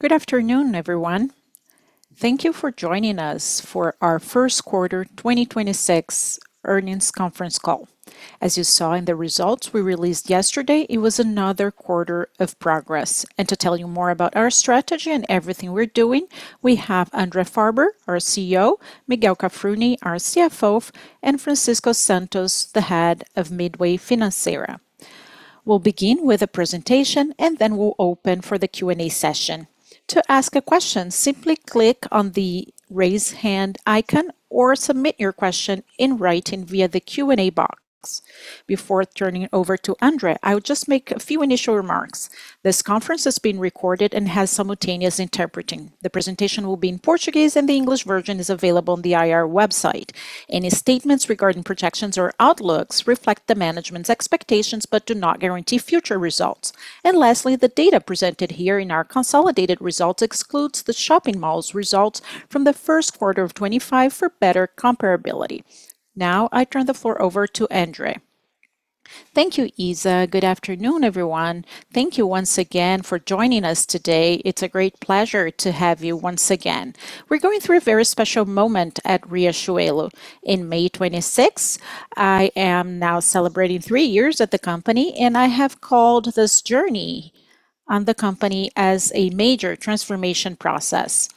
Good afternoon, everyone. Thank you for joining us for our first quarter 2026 earnings conference call. As you saw in the results we released yesterday, it was another quarter of progress. To tell you more about our strategy and everything we're doing, we have André Farber, our CEO, Miguel Cafruni, our CFO, and Francisco Santos, the head of Midway Financeira. We'll begin with a presentation, and then we'll open for the Q&A session. To ask a question, simply click on the Raise Hand icon or submit your question in writing via the Q&A box. Before turning it over to André, I would just make a few initial remarks. This conference is being recorded and has simultaneous interpreting. The presentation will be in Portuguese, and the English version is available on the IR website. Any statements regarding projections or outlooks reflect the management's expectations, but do not guarantee future results. Lastly, the data presented here in our consolidated results excludes the shopping malls results from the first quarter of 2025 for better comparability. I turn the floor over to André Farber. Thank you, Isa. Good afternoon, everyone. Thank you once again for joining us today. It's a great pleasure to have you once again. We're going through a very special moment at Riachuelo. In May 2026, I am now celebrating three years at the company, and I have called this journey on the company as a major transformation process.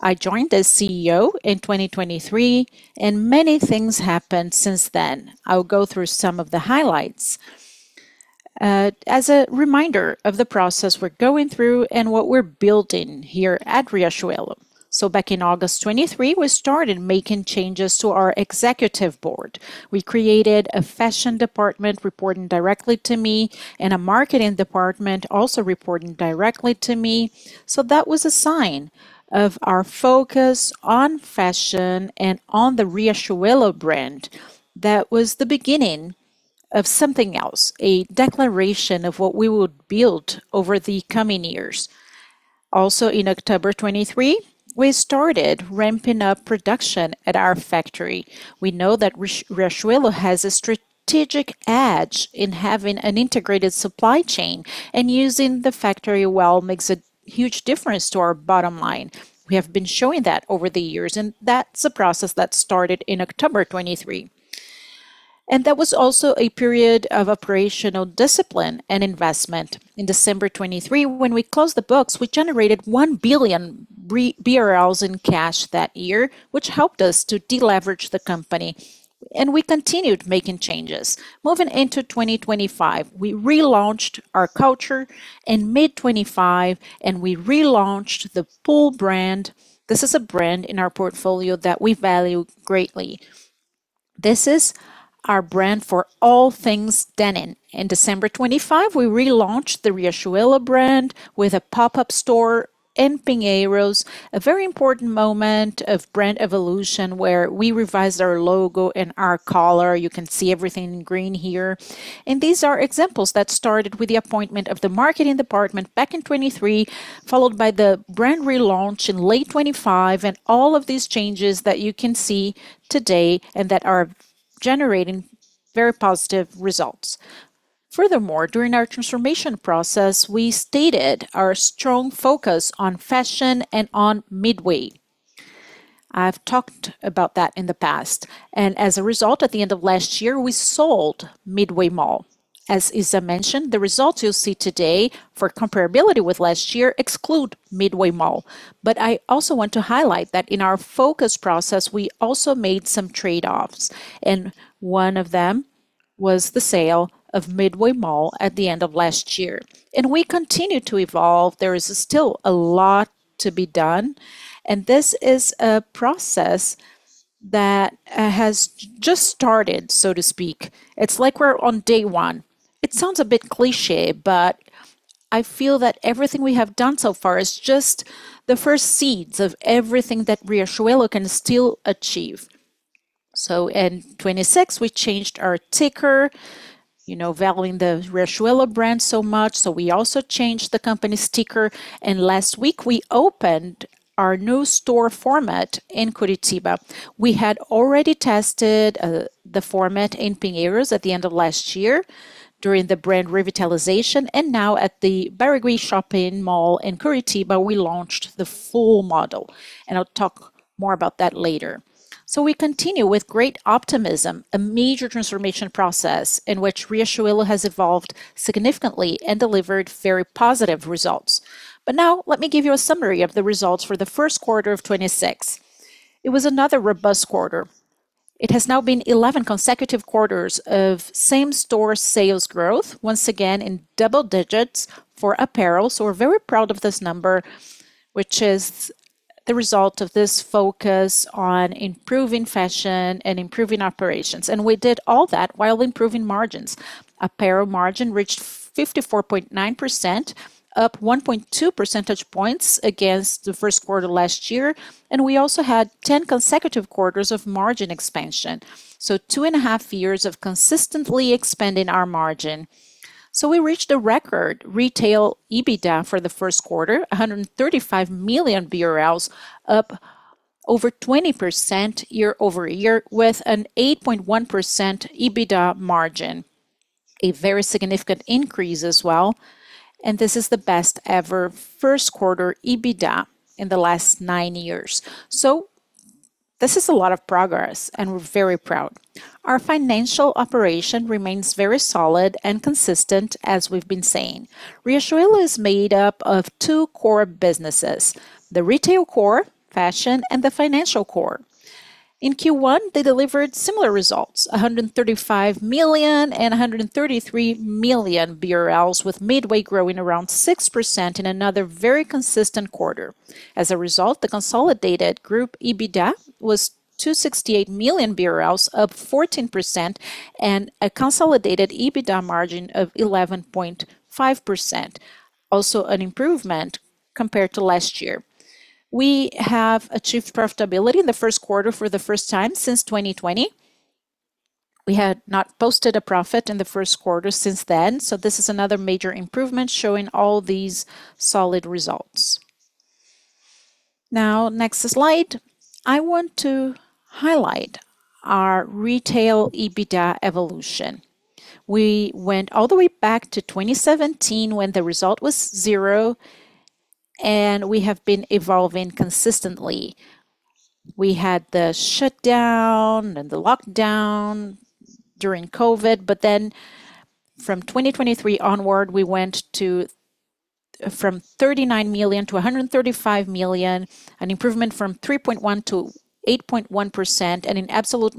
I joined as CEO in 2023, and many things happened since then. I'll go through some of the highlights as a reminder of the process we're going through and what we're building here at Riachuelo. Back in August 2023, we started making changes to our executive board. We created a fashion department reporting directly to me and a marketing department also reporting directly to me. That was a sign of our focus on fashion and on the Riachuelo brand. That was the beginning of something else, a declaration of what we would build over the coming years. In October 2023, we started ramping up production at our factory. We know that Riachuelo has a strategic edge in having an integrated supply chain, using the factory well makes a huge difference to our bottom line. We have been showing that over the years, that's a process that started in October 2023. That was also a period of operational discipline and investment. In December 2023, when we closed the books, we generated 1 billion BRL in cash that year, which helped us to deleverage the company. We continued making changes. Moving into 2025, we relaunched our culture in mid-2025, and we relaunched the Pool brand. This is a brand in our portfolio that we value greatly. This is our brand for all things denim. In December 2025, we relaunched the Riachuelo brand with a pop-up store in Pinheiros, a very important moment of brand evolution where we revised our logo and our color. You can see everything in green here. These are examples that started with the appointment of the marketing department back in 2023, followed by the brand relaunch in late 2025, and all of these changes that you can see today and that are generating very positive results. During our transformation process, we stated our strong focus on fashion and on Midway. I've talked about that in the past. As a result, at the end of last year, we sold Midway Mall. As Isa mentioned, the results you'll see today for comparability with last year exclude Midway Mall. I also want to highlight that in our focus process, we also made some trade-offs, and one of them was the sale of Midway Mall at the end of last year. We continue to evolve. There is still a lot to be done, and this is a process that has just started, so to speak. It's like we're on day one. It sounds a bit cliché, but I feel that everything we have done so far is just the first seeds of everything that Riachuelo can still achieve. In 2026, we changed our ticker, you know, valuing the Riachuelo brand so much, so we also changed the company's ticker. Last week, we opened our new store format in Curitiba. We had already tested the format in Pinheiros at the end of last year during the brand revitalization. Now at the Barigui Shopping Mall in Curitiba, we launched the full model, I'll talk more about that later. We continue with great optimism, a major transformation process in which Riachuelo has evolved significantly and delivered very positive results. Now let me give you a summary of the results for the first quarter of 2026. It was another robust quarter. It has now been 11 consecutive quarters of same-store sales growth, once again in double digits for apparel. We're very proud of this number, which is the result of this focus on improving fashion and improving operations. We did all that while improving margins. Apparel margin reached 54.9%, up 1.2 percentage points against the first quarter last year. We also had 10 consecutive quarters of margin expansion, so two and a half years of consistently expanding our margin. We reached a record retail EBITDA for the first quarter, 135 million BRL, up over 20% year-over-year, with an 8.1% EBITDA margin. A very significant increase as well, and this is the best ever first quarter EBITDA in the last nine years. This is a lot of progress, and we're very proud. Our financial operation remains very solid and consistent as we've been saying. Riachuelo is made up of two core businesses, the retail core, fashion, and the financial core. In Q1, they delivered similar results, 135 million and 133 million BRL, with Midway growing around 6% in another very consistent quarter. As a result, the consolidated group EBITDA was 268 million BRL, up 14%, and a consolidated EBITDA margin of 11.5%. Also an improvement compared to last year. We have achieved profitability in the first quarter for the first time since 2020. We had not posted a profit in the first quarter since then. This is another major improvement showing all these solid results. Now, next slide. I want to highlight our retail EBITDA evolution. We went all the way back to 2017 when the result was 0. We have been evolving consistently. We had the shutdown and the lockdown during COVID. From 2023 onward, we went to from 39 million-135 million, an improvement from 3.1%-8.1%. In absolute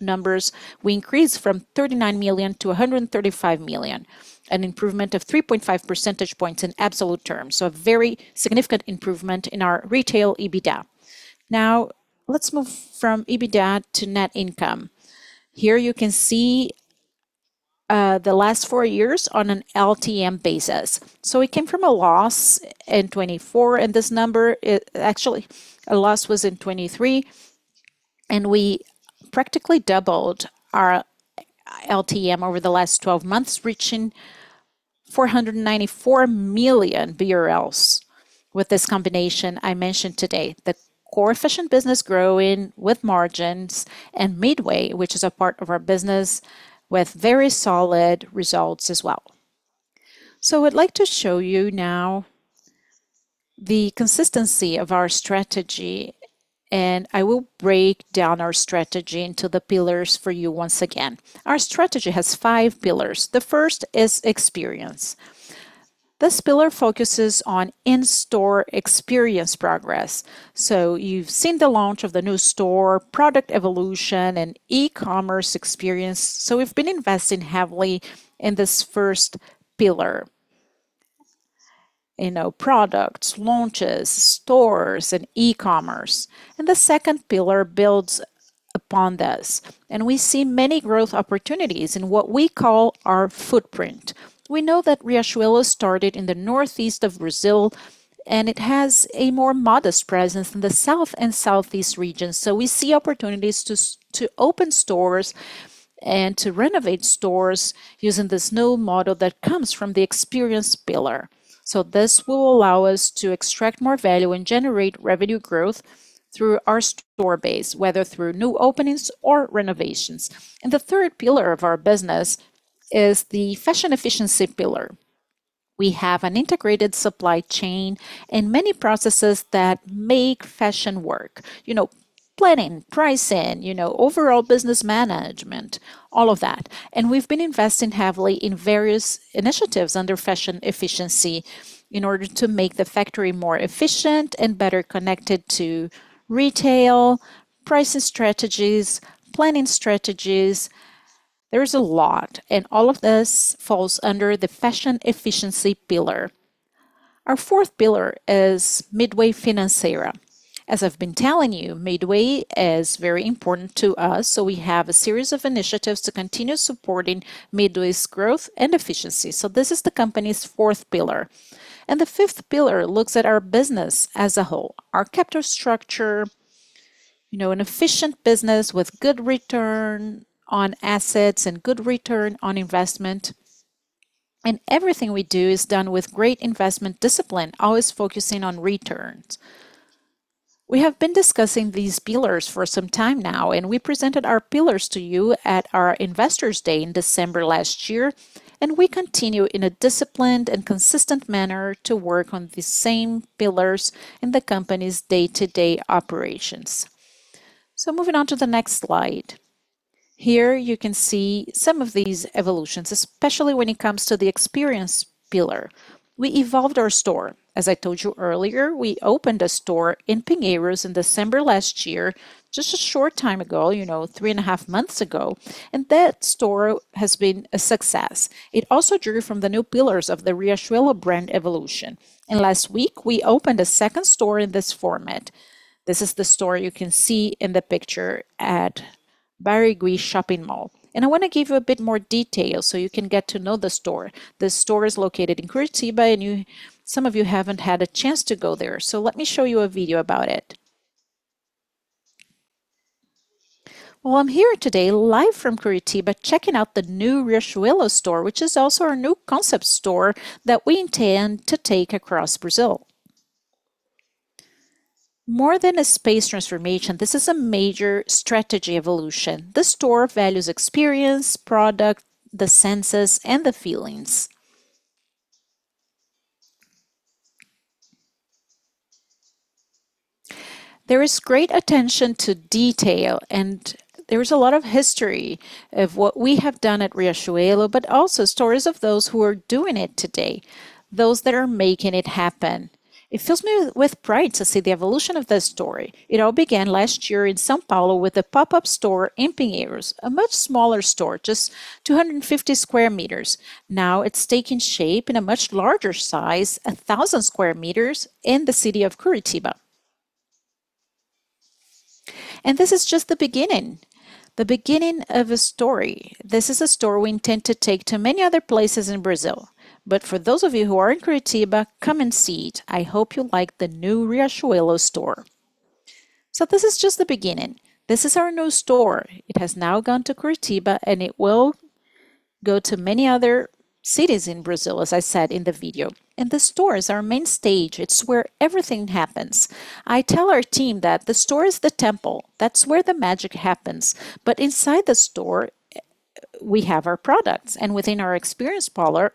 numbers, we increased from 39 million-135 million, an improvement of 3.5 percentage points in absolute terms. A very significant improvement in our retail EBITDA. Let's move from EBITDA to net income. Here you can see the last four years on an LTM basis. We came from a loss in 2024, and this number, actually, a loss was in 2023, and we practically doubled our LTM over the last 12 months, reaching 494 million BRL with this combination I mentioned today. The core efficient business growing with margins and Midway, which is a part of our business with very solid results as well. I'd like to show you now the consistency of our strategy, and I will break down our strategy into the pillars for you once again. Our strategy has five pillars. The first is experience. You've seen the launch of the new store, product evolution, and e-commerce experience. We've been investing heavily in this first pillar. You know, products, launches, stores, and e-commerce. The second pillar builds upon this, and we see many growth opportunities in what we call our footprint. We know that Riachuelo started in the northeast of Brazil, and it has a more modest presence in the south and southeast regions. We see opportunities to open stores and to renovate stores using this new model that comes from the experience pillar. This will allow us to extract more value and generate revenue growth through our store base, whether through new openings or renovations. The third pillar of our business is the fashion efficiency pillar. We have an integrated supply chain and many processes that make fashion work. You know, planning, pricing, you know, overall business management, all of that. We've been investing heavily in various initiatives under Fashion Efficiency in order to make the factory more efficient and better connected to retail, pricing strategies, planning strategies. There's a lot, all of this falls under the Fashion Efficiency pillar. Our fourth pillar is Midway Financeira. As I've been telling you, Midway is very important to us, we have a series of initiatives to continue supporting Midway's growth and efficiency. This is the company's fourth pillar. The fifth pillar looks at our business as a whole. Our capital structure, you know, an efficient business with good return on assets and good return on investment. Everything we do is done with great investment discipline, always focusing on returns. We have been discussing these pillars for some time now, and we presented our pillars to you at our Investors Day in December last year, and we continue in a disciplined and consistent manner to work on the same pillars in the company's day-to-day operations. Moving on to the next slide. Here you can see some of these evolutions, especially when it comes to the experience pillar. We evolved our store. As I told you earlier, we opened a store in Pinheiros in December last year, just a short time ago, you know, three and a half months ago, and that store has been a success. It also drew from the new pillars of the Riachuelo brand evolution. Last week, we opened a second store in this format. This is the store you can see in the picture at Barigui Shopping Mall. I wanna give you a bit more detail so you can get to know the store. The store is located in Curitiba, and some of you haven't had a chance to go there. Let me show you a video about it. I'm here today live from Curitiba, checking out the new Riachuelo store, which is also our new concept store that we intend to take across Brazil. More than a space transformation, this is a major strategy evolution. The store values experience, product, the senses, and the feelings. There is great attention to detail, and there is a lot of history of what we have done at Riachuelo, but also stories of those who are doing it today, those that are making it happen. It fills me with pride to see the evolution of this story. It all began last year in São Paulo with a pop-up store in Pinheiros, a much smaller store, just 250 sq m. Now it's taking shape in a much larger size, 1,000 sq m in the city of Curitiba. This is just the beginning, the beginning of a story. This is a store we intend to take to many other places in Brazil. For those of you who are in Curitiba, come and see it. I hope you like the new Riachuelo store. This is just the beginning. This is our new store. It has now gone to Curitiba, and it will go to many other cities in Brazil, as I said in the video. The store is our main stage. It's where everything happens. I tell our team that the store is the temple. That's where the magic happens. Inside the store, we have our products. Within our experience pillar,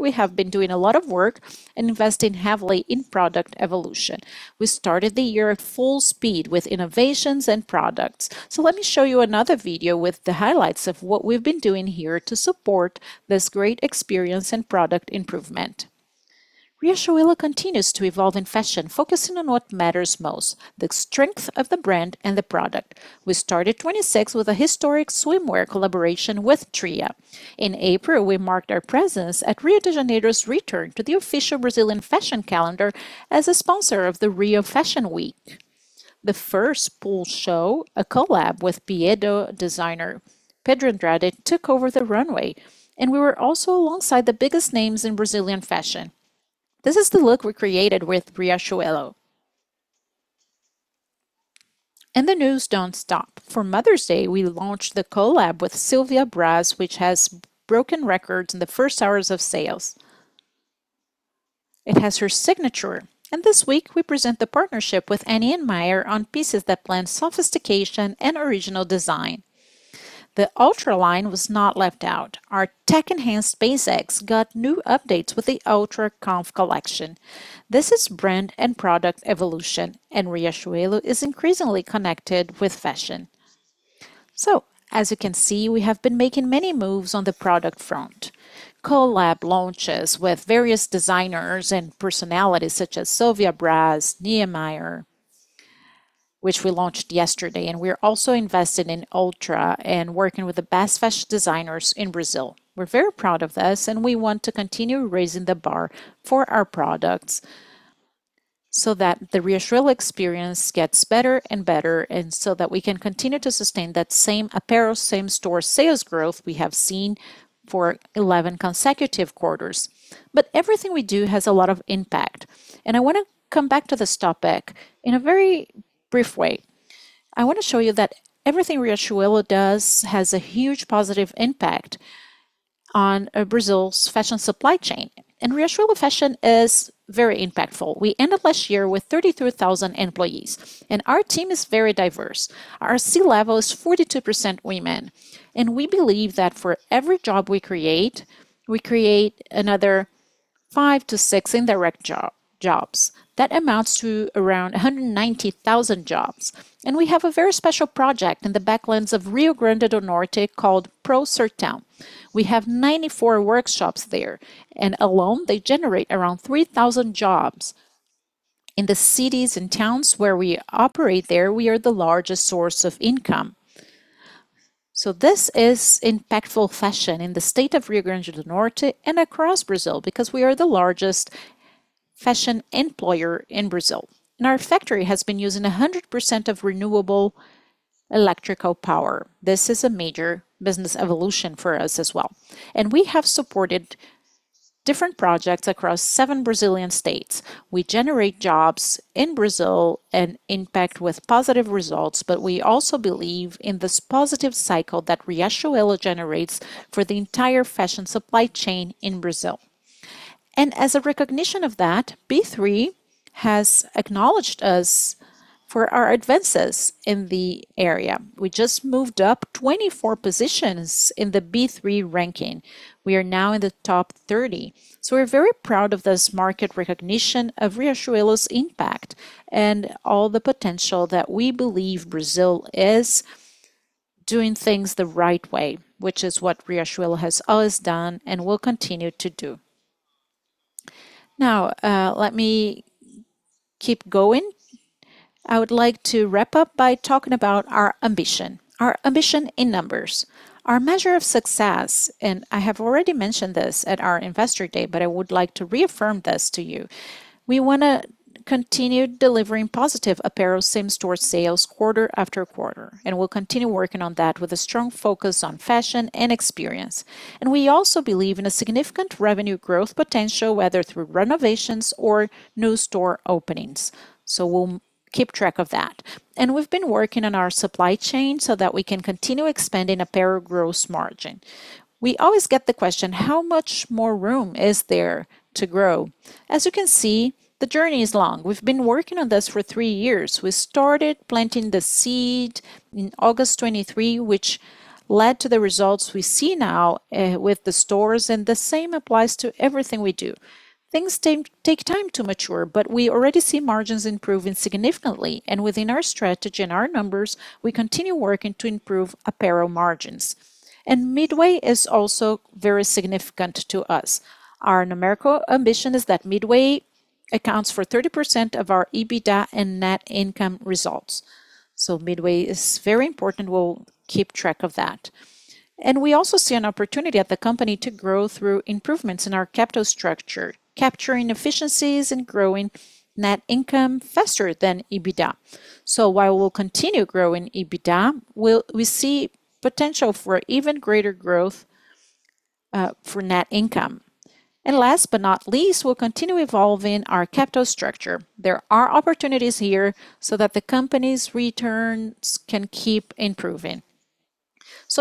we have been doing a lot of work and investing heavily in product evolution. We started the year at full speed with innovations and products. Let me show you another video with the highlights of what we've been doing here to support this great experience and product improvement. Riachuelo continues to evolve in fashion, focusing on what matters most, the strength of the brand and the product. We started 2026 with a historic swimwear collaboration with Triya. In April, we marked our presence at Rio de Janeiro's return to the official Brazilian fashion calendar as a sponsor of the Rio Fashion Week. The first Pool show, a collab with Pedro Andrade designer Pedro Andrade took over the runway, and we were also alongside the biggest names in Brazilian fashion. This is the look we created with Riachuelo. The news don't stop. For Mother's Day, we launched the collab with Silvia Braz, which has broken records in the first hours of sales. It has her signature. This week, we present the partnership with uncertain on pieces that blend sophistication and original design. The Ultra line was not left out. Our tech-enhanced basics got new updates with the Ultra Conf collection. This is brand and product evolution, and Riachuelo is increasingly connected with fashion. As you can see, we have been making many moves on the product front. Collab launches with various designers and personalities such as Silvia Braz, uncertain, which we launched yesterday, and we are also invested in Ultra and working with the best fashion designers in Brazil. We're very proud of this, we want to continue raising the bar for our products so that the Riachuelo experience gets better and better and so that we can continue to sustain that same apparel, same store sales growth we have seen for 11 consecutive quarters. Everything we do has a lot of impact. I wanna come back to this topic in a very brief way. I want to show you that everything Riachuelo does has a huge positive impact on Brazil's fashion supply chain, and Riachuelo fashion is very impactful. We ended last year with 33,000 employees, and our team is very diverse. Our C-level is 42% women, and we believe that for every job we create, we create another five to six indirect jobs. That amounts to around 190,000 jobs. We have a very special project in the backlands of Rio Grande do Norte called PróSERTÃO. We have 94 workshops there, alone they generate around 3,000 jobs. In the cities and towns where we operate there, we are the largest source of income. This is impactful fashion in the state of Rio Grande do Norte and across Brazil because we are the largest fashion employer in Brazil. Our factory has been using 100% of renewable electrical power. This is a major business evolution for us as well. We have supported different projects across seven Brazilian states. We generate jobs in Brazil and impact with positive results, but we also believe in this positive cycle that Riachuelo generates for the entire fashion supply chain in Brazil. As a recognition of that, B3 has acknowledged us for our advances in the area. We just moved up 24 positions in the B3 ranking. We are now in the top 30. We're very proud of this market recognition of Riachuelo's impact and all the potential that we believe Brazil is doing things the right way, which is what Riachuelo has always done and will continue to do. Let me keep going. I would like to wrap up by talking about our ambition, our ambition in numbers, our measure of success. I have already mentioned this at our Investor Day, but I would like to reaffirm this to you. We wanna continue delivering positive apparel same store sales quarter after quarter, and we'll continue working on that with a strong focus on fashion and experience. And we also believe in a significant revenue growth potential, whether through renovations or new store openings. We'll keep track of that. We've been working on our supply chain so that we can continue expanding apparel gross margin. We always get the question: How much more room is there to grow? As you can see, the journey is long. We've been working on this for three years. We started planting the seed in August 2023, which led to the results we see now with the stores, the same applies to everything we do. Things take time to mature, we already see margins improving significantly. Within our strategy and our numbers, we continue working to improve apparel margins. Midway is also very significant to us. Our numerical ambition is that Midway accounts for 30% of our EBITDA and net income results. Midway is very important. We'll keep track of that. We also see an opportunity at the company to grow through improvements in our capital structure, capturing efficiencies and growing net income faster than EBITDA. While we'll continue growing EBITDA, we see potential for even greater growth for net income. Last but not least, we'll continue evolving our capital structure. There are opportunities here so that the company's returns can keep improving.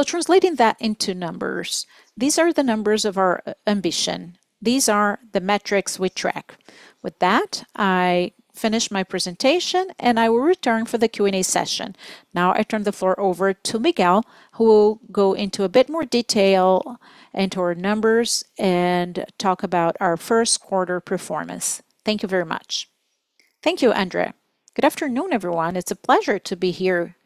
Translating that into numbers, these are the numbers of our ambition. These are the metrics we track. With that, I finish my presentation, and I will return for the Q&A session. Now I turn the floor over to Miguel, who will go into a bit more detail into our numbers and talk about our first quarter performance. Thank you very much. Thank you, André Farber. Good afternoon, everyone. It's a pleasure to be here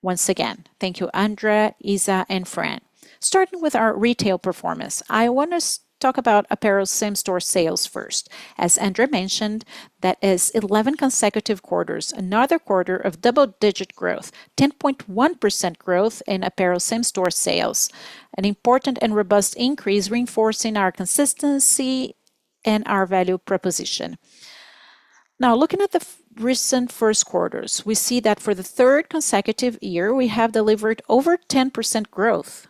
once again. Thank you, André Farber, Isa, and Fran. Starting with our retail performance, I want to talk about apparel same-store sales first. As André Farber mentioned, that is 11 consecutive quarters, another quarter of double-digit growth, 10.1% growth in apparel same-store sales, an important and robust increase reinforcing our consistency and our value proposition. Looking at the recent first quarters, we see that for the third consecutive year, we have delivered over 10% growth.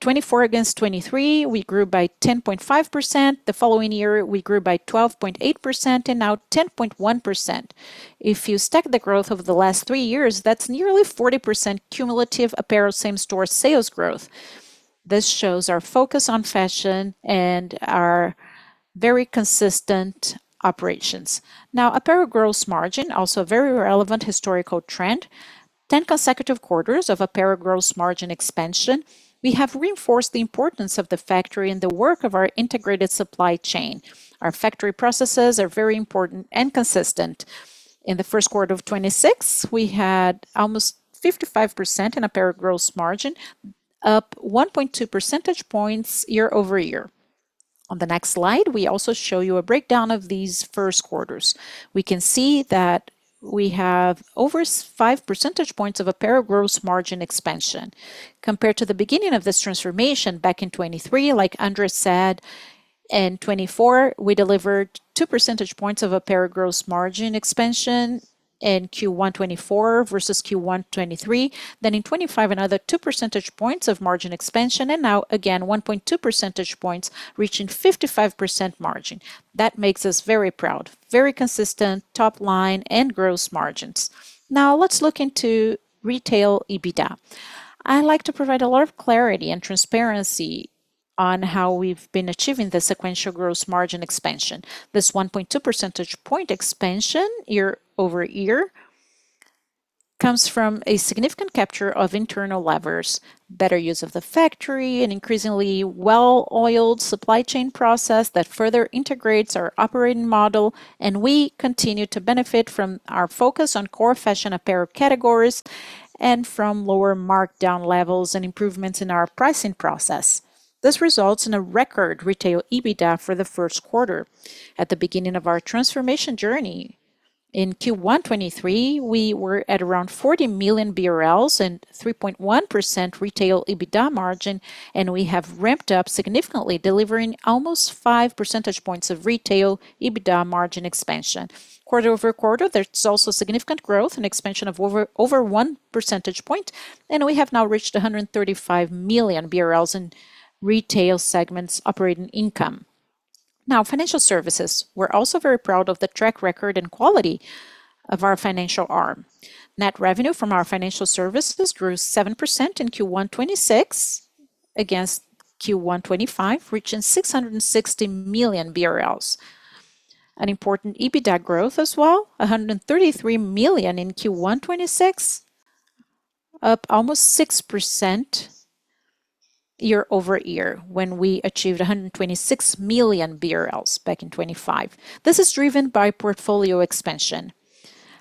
2024 against 2023, we grew by 10.5%. The following year, we grew by 12.8%, and now 10.1%. If you stack the growth over the last three years, that's nearly 40% cumulative apparel same-store sales growth. This shows our focus on fashion and our very consistent operations. Apparel gross margin, also a very relevant historical trend. 10 consecutive quarters of apparel gross margin expansion. We have reinforced the importance of the factory and the work of our integrated supply chain. Our factory processes are very important and consistent. In the first quarter of 2026, we had almost 55% in apparel gross margin, up 1.2 percentage points year-over-year. On the next slide, we also show you a breakdown of these first quarters. We can see that we have over 5 percentage points of apparel gross margin expansion. Compared to the beginning of this transformation back in 2023, like André Farber said, in 2024, we delivered 2 percentage points of apparel gross margin expansion in Q1 2024 versus Q1 2023. In 2025, another 2 percentage points of margin expansion, and now again, 1.2 percentage points, reaching 55% margin. That makes us very proud. Very consistent top line and gross margins. Now let's look into retail EBITDA. I like to provide a lot of clarity and transparency on how we've been achieving the sequential gross margin expansion. This 1.2 percentage point expansion year-over-year comes from a significant capture of internal levers, better use of the factory, an increasingly well-oiled supply chain process that further integrates our operating model, and we continue to benefit from our focus on core fashion apparel categories and from lower markdown levels and improvements in our pricing process. This results in a record retail EBITDA for the first quarter. At the beginning of our transformation journey in Q1 2023, we were at around 40 million BRL and 3.1% retail EBITDA margin, and we have ramped up significantly, delivering almost 5 percentage points of retail EBITDA margin expansion. Quarter-over-quarter, there's also significant growth and expansion of over one percentage point, and we have now reached 135 million BRL in retail segments operating income. Now, financial services. We're also very proud of the track record and quality of our financial arm. Net revenue from our financial services grew 7% in Q1 2026 against Q1 2025, reaching 660 million BRL. An important EBITDA growth as well, 133 million in Q1 2026, up almost 6% year-over-year when we achieved 126 million BRL back in 2025. This is driven by portfolio expansion.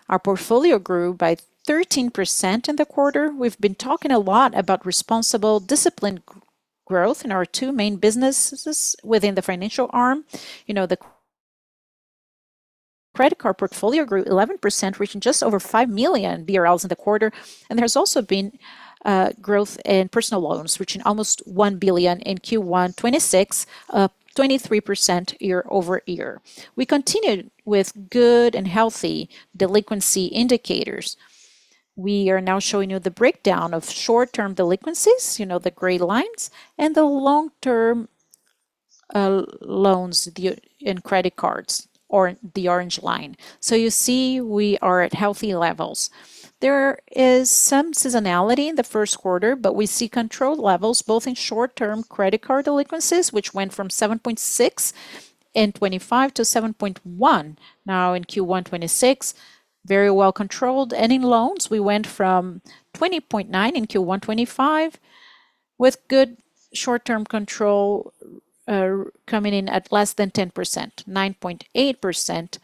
Our portfolio grew by 13% in the quarter. We've been talking a lot about responsible, disciplined growth in our two main businesses within the financial arm. You know, the credit card portfolio grew 11%, reaching just over 5 million BRL in the quarter. There's also been growth in personal loans, reaching almost 1 billion in Q1 2026, up 23% year-over-year. We continued with good and healthy delinquency indicators. We are now showing you the breakdown of short-term delinquencies, you know, the gray lines, and the long-term loans due in credit cards, or the orange line. You see we are at healthy levels. There is some seasonality in the first quarter, we see controlled levels both in short-term credit card delinquencies, which went from 7.6% in 2025 to 7.1% now in Q1 2026. Very well controlled. In loans, we went from 20.9 in Q1 2025 with good short-term control, coming in at less than 10%. 9.8%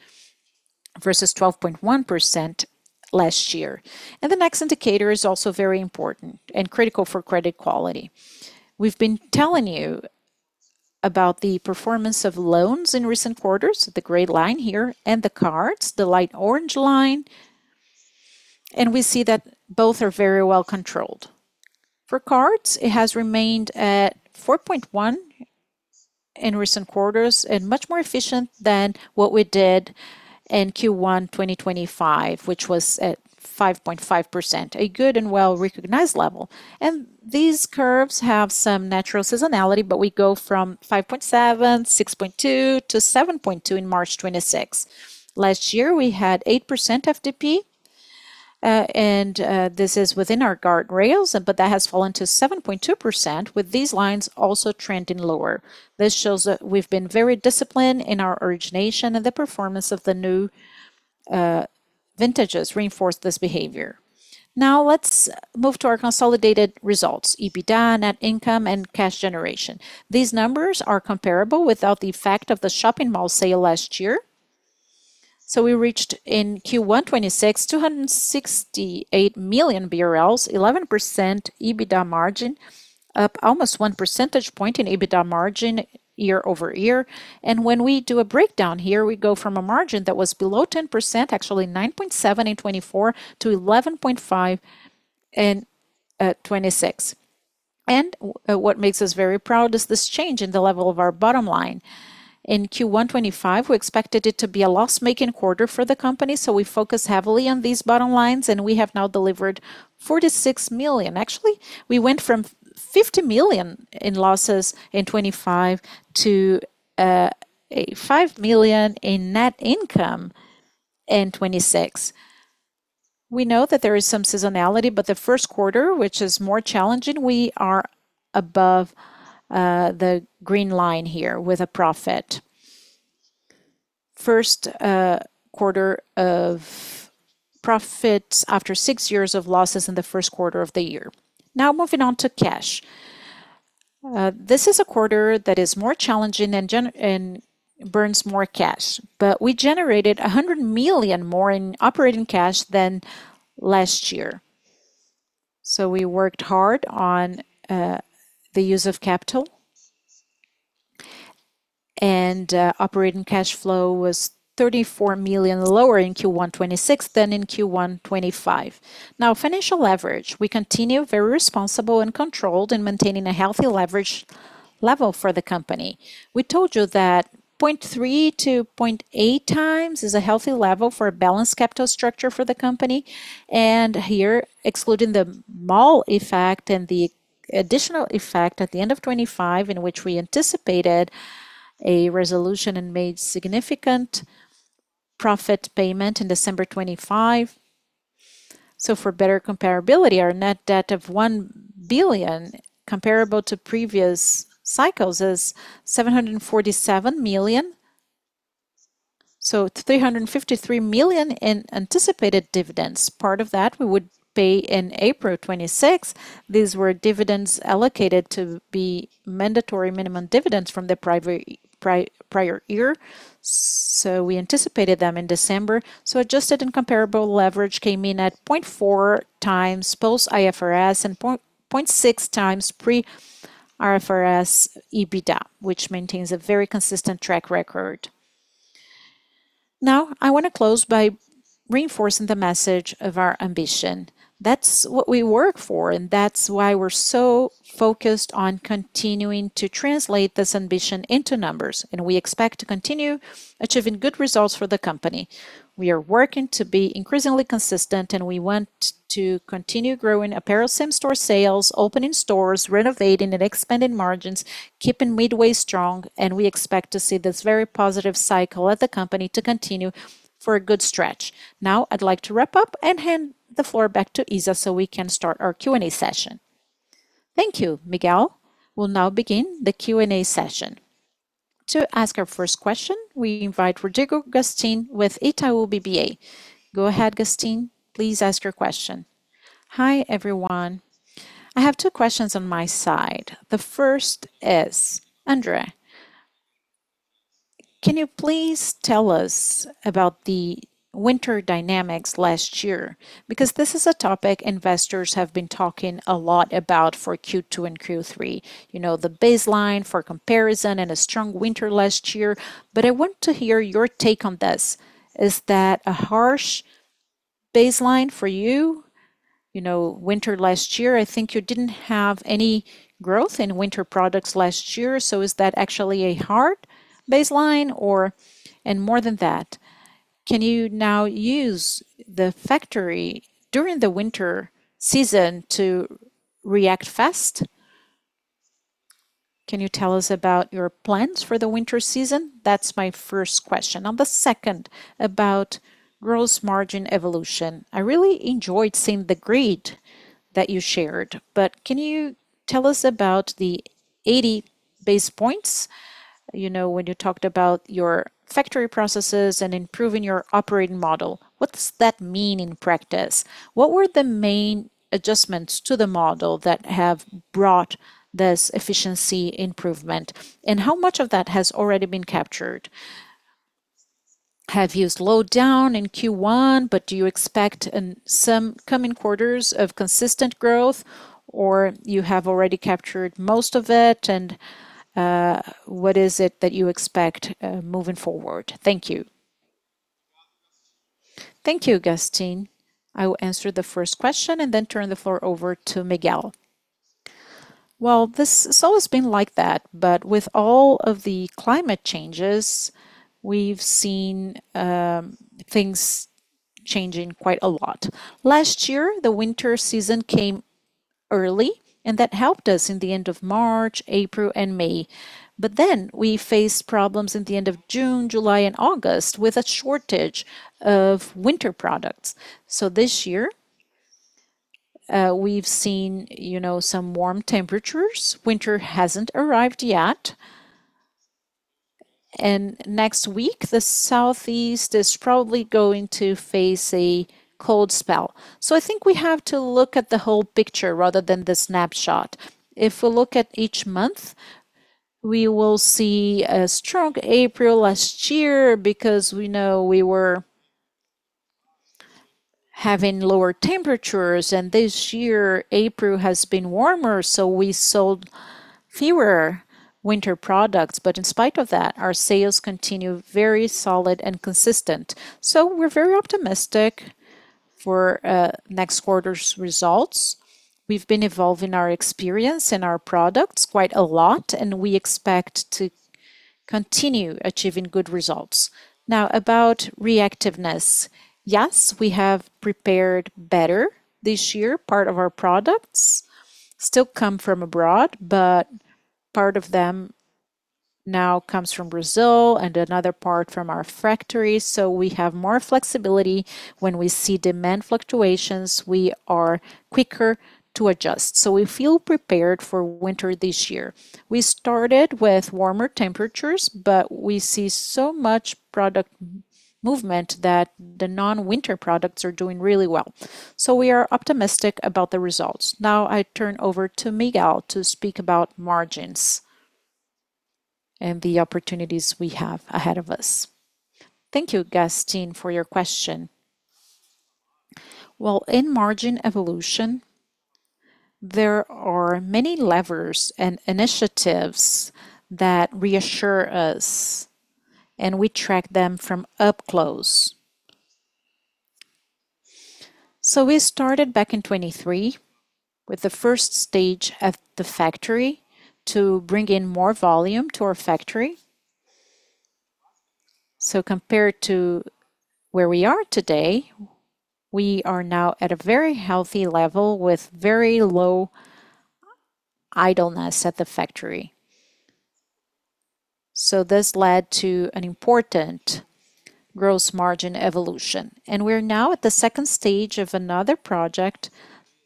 versus 12.1% last year. The next indicator is also very important and critical for credit quality. We've been telling you about the performance of loans in recent quarters, the gray line here, and the cards, the light orange line, and we see that both are very well controlled. For cards, it has remained at 4.1% in recent quarters and much more efficient than what we did in Q1 2025, which was at 5.5%, a good and well-recognized level. These curves have some natural seasonality, but we go from 5.7%, 6.25%=2% in March 2026. Last year we had 8% FTP, and this is within our guardrails, but that has fallen to 7.2% with these lines also trending lower. This shows that we've been very disciplined in our origination and the performance of the new vintages reinforce this behavior. Let's move to our consolidated results, EBITDA, net income, and cash generation. These numbers are comparable without the effect of the shopping mall sale last year. We reached in Q1 2026, 268 million BRL, 11% EBITDA margin, up almost 1 percentage point in EBITDA margin year-over-year. When we do a breakdown here, we go from a margin that was below 10%, actually 9.7% in 2024 to 11.5% in 2026. What makes us very proud is this change in the level of our bottom line. In Q1 2025, we expected it to be a loss-making quarter for the company, so we focused heavily on these bottom lines, and we have now delivered 46 million. Actually, we went from 50 million in losses in 2025 to 5 million in net income in 2026. We know that there is some seasonality, but the first quarter, which is more challenging, we are above the green line here with a profit. First quarter of profits after six years of losses in the first quarter of the year. Now moving on to cash. This is a quarter that is more challenging and burns more cash. We generated 100 million more in operating cash than last year. We worked hard on the use of capital. Operating cash flow was 34 million lower in Q1 2026 than in Q1 2025. Now financial leverage. We continue very responsible and controlled in maintaining a healthy leverage level for the company. We told you that 0.3x-0.8x is a healthy level for a balanced capital structure for the company. Here, excluding the mall effect and the additional effect at the end of 2025, in which we anticipated a resolution and made significant profit payment in December 2025. For better comparability, our net debt of 1 billion comparable to previous cycles is 747 million. 353 million in anticipated dividends. Part of that we would pay in April 2026. These were dividends allocated to be mandatory minimum dividends from the prior year. We anticipated them in December. Adjusted and comparable leverage came in at 0.4 times post IFRS and 0.6 times pre-IFRS EBITDA, which maintains a very consistent track record. I wanna close by reinforcing the message of our ambition. That's what we work for, and that's why we're so focused on continuing to translate this ambition into numbers, and we expect to continue achieving good results for the company. We are working to be increasingly consistent, and we want to continue growing apparel same-store sales, opening stores, renovating and expanding margins, keeping Midway strong, and we expect to see this very positive cycle at the company to continue for a good stretch. I'd like to wrap up and hand the floor back to Isa so we can start our Q&A session. Thank you, Miguel. We'll now begin the Q&A session. To ask our first question, we invite Rodrigo Gastim with Itaú BBA. Go ahead, Gastim. Please ask your question. Hi, everyone. I have two questions on my side. The first is, André, can you please tell us about the winter dynamics last year? Because this is a topic investors have been talking a lot about for Q2 and Q3, you know, the baseline for comparison and a strong winter last year. I want to hear your take on this. Is that a harsh baseline for you? You know, winter last year, I think you didn't have any growth in winter products last year. Is that actually a hard baseline or? More than that, can you now use the factory during the winter season to react fast? Can you tell us about your plans for the winter season? That's my first question. On the second, about gross margin evolution. I really enjoyed seeing the grid that you shared, but can you tell us about the 80 basis points. You know, when you talked about your factory processes and improving your operating model, what does that mean in practice? What were the main adjustments to the model that have brought this efficiency improvement, and how much of that has already been captured? Have you slowed down in Q1, but do you expect in some coming quarters of consistent growth, or you have already captured most of it, and what is it that you expect moving forward? Thank you. Thank you, Gastim. I will answer the first question and then turn the floor over to Miguel. Well, it's always been like that, but with all of the climate changes, we've seen things changing quite a lot. Last year, the winter season came early, and that helped us in the end of March, April and May. We faced problems in the end of June, July and August with a shortage of winter products. This year, we've seen, you know, some warm temperatures. Winter hasn't arrived yet. Next week, the southeast is probably going to face a cold spell. I think we have to look at the whole picture rather than the snapshot. If we look at each month, we will see a strong April last year because we know we were having lower temperatures, and this year April has been warmer, so we sold fewer winter products. In spite of that, our sales continue very solid and consistent, so we're very optimistic for next quarter's results. We've been evolving our experience and our products quite a lot, and we expect to continue achieving good results. About reactiveness. Yes, we have prepared better this year. Part of our products still come from abroad, but part of them now comes from Brazil and another part from our factory. We have more flexibility when we see demand fluctuations, we are quicker to adjust, so we feel prepared for winter this year. We started with warmer temperatures, but we see so much product movement that the non-winter products are doing really well. We are optimistic about the results. I turn over to Miguel to speak about margins and the opportunities we have ahead of us. Thank you, Gastim, for your question. In margin evolution, there are many levers and initiatives that reassure us, and we track them from up close. We started back in 2023 with the first stage at the factory to bring in more volume to our factory. Compared to where we are today, we are now at a very healthy level with very low idleness at the factory. This led to an important gross margin evolution. We're now at the second stage of another project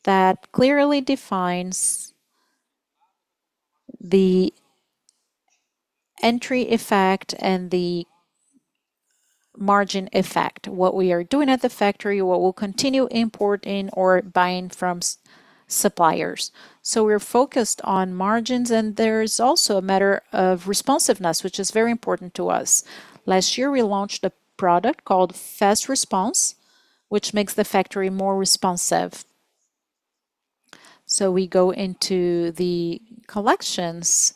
that clearly defines the entry effect and the margin effect, what we are doing at the factory, what we'll continue importing or buying from suppliers. We're focused on margins, and there's also a matter of responsiveness, which is very important to us. Last year, we launched a product called Fast Response, which makes the factory more responsive. We go into the collections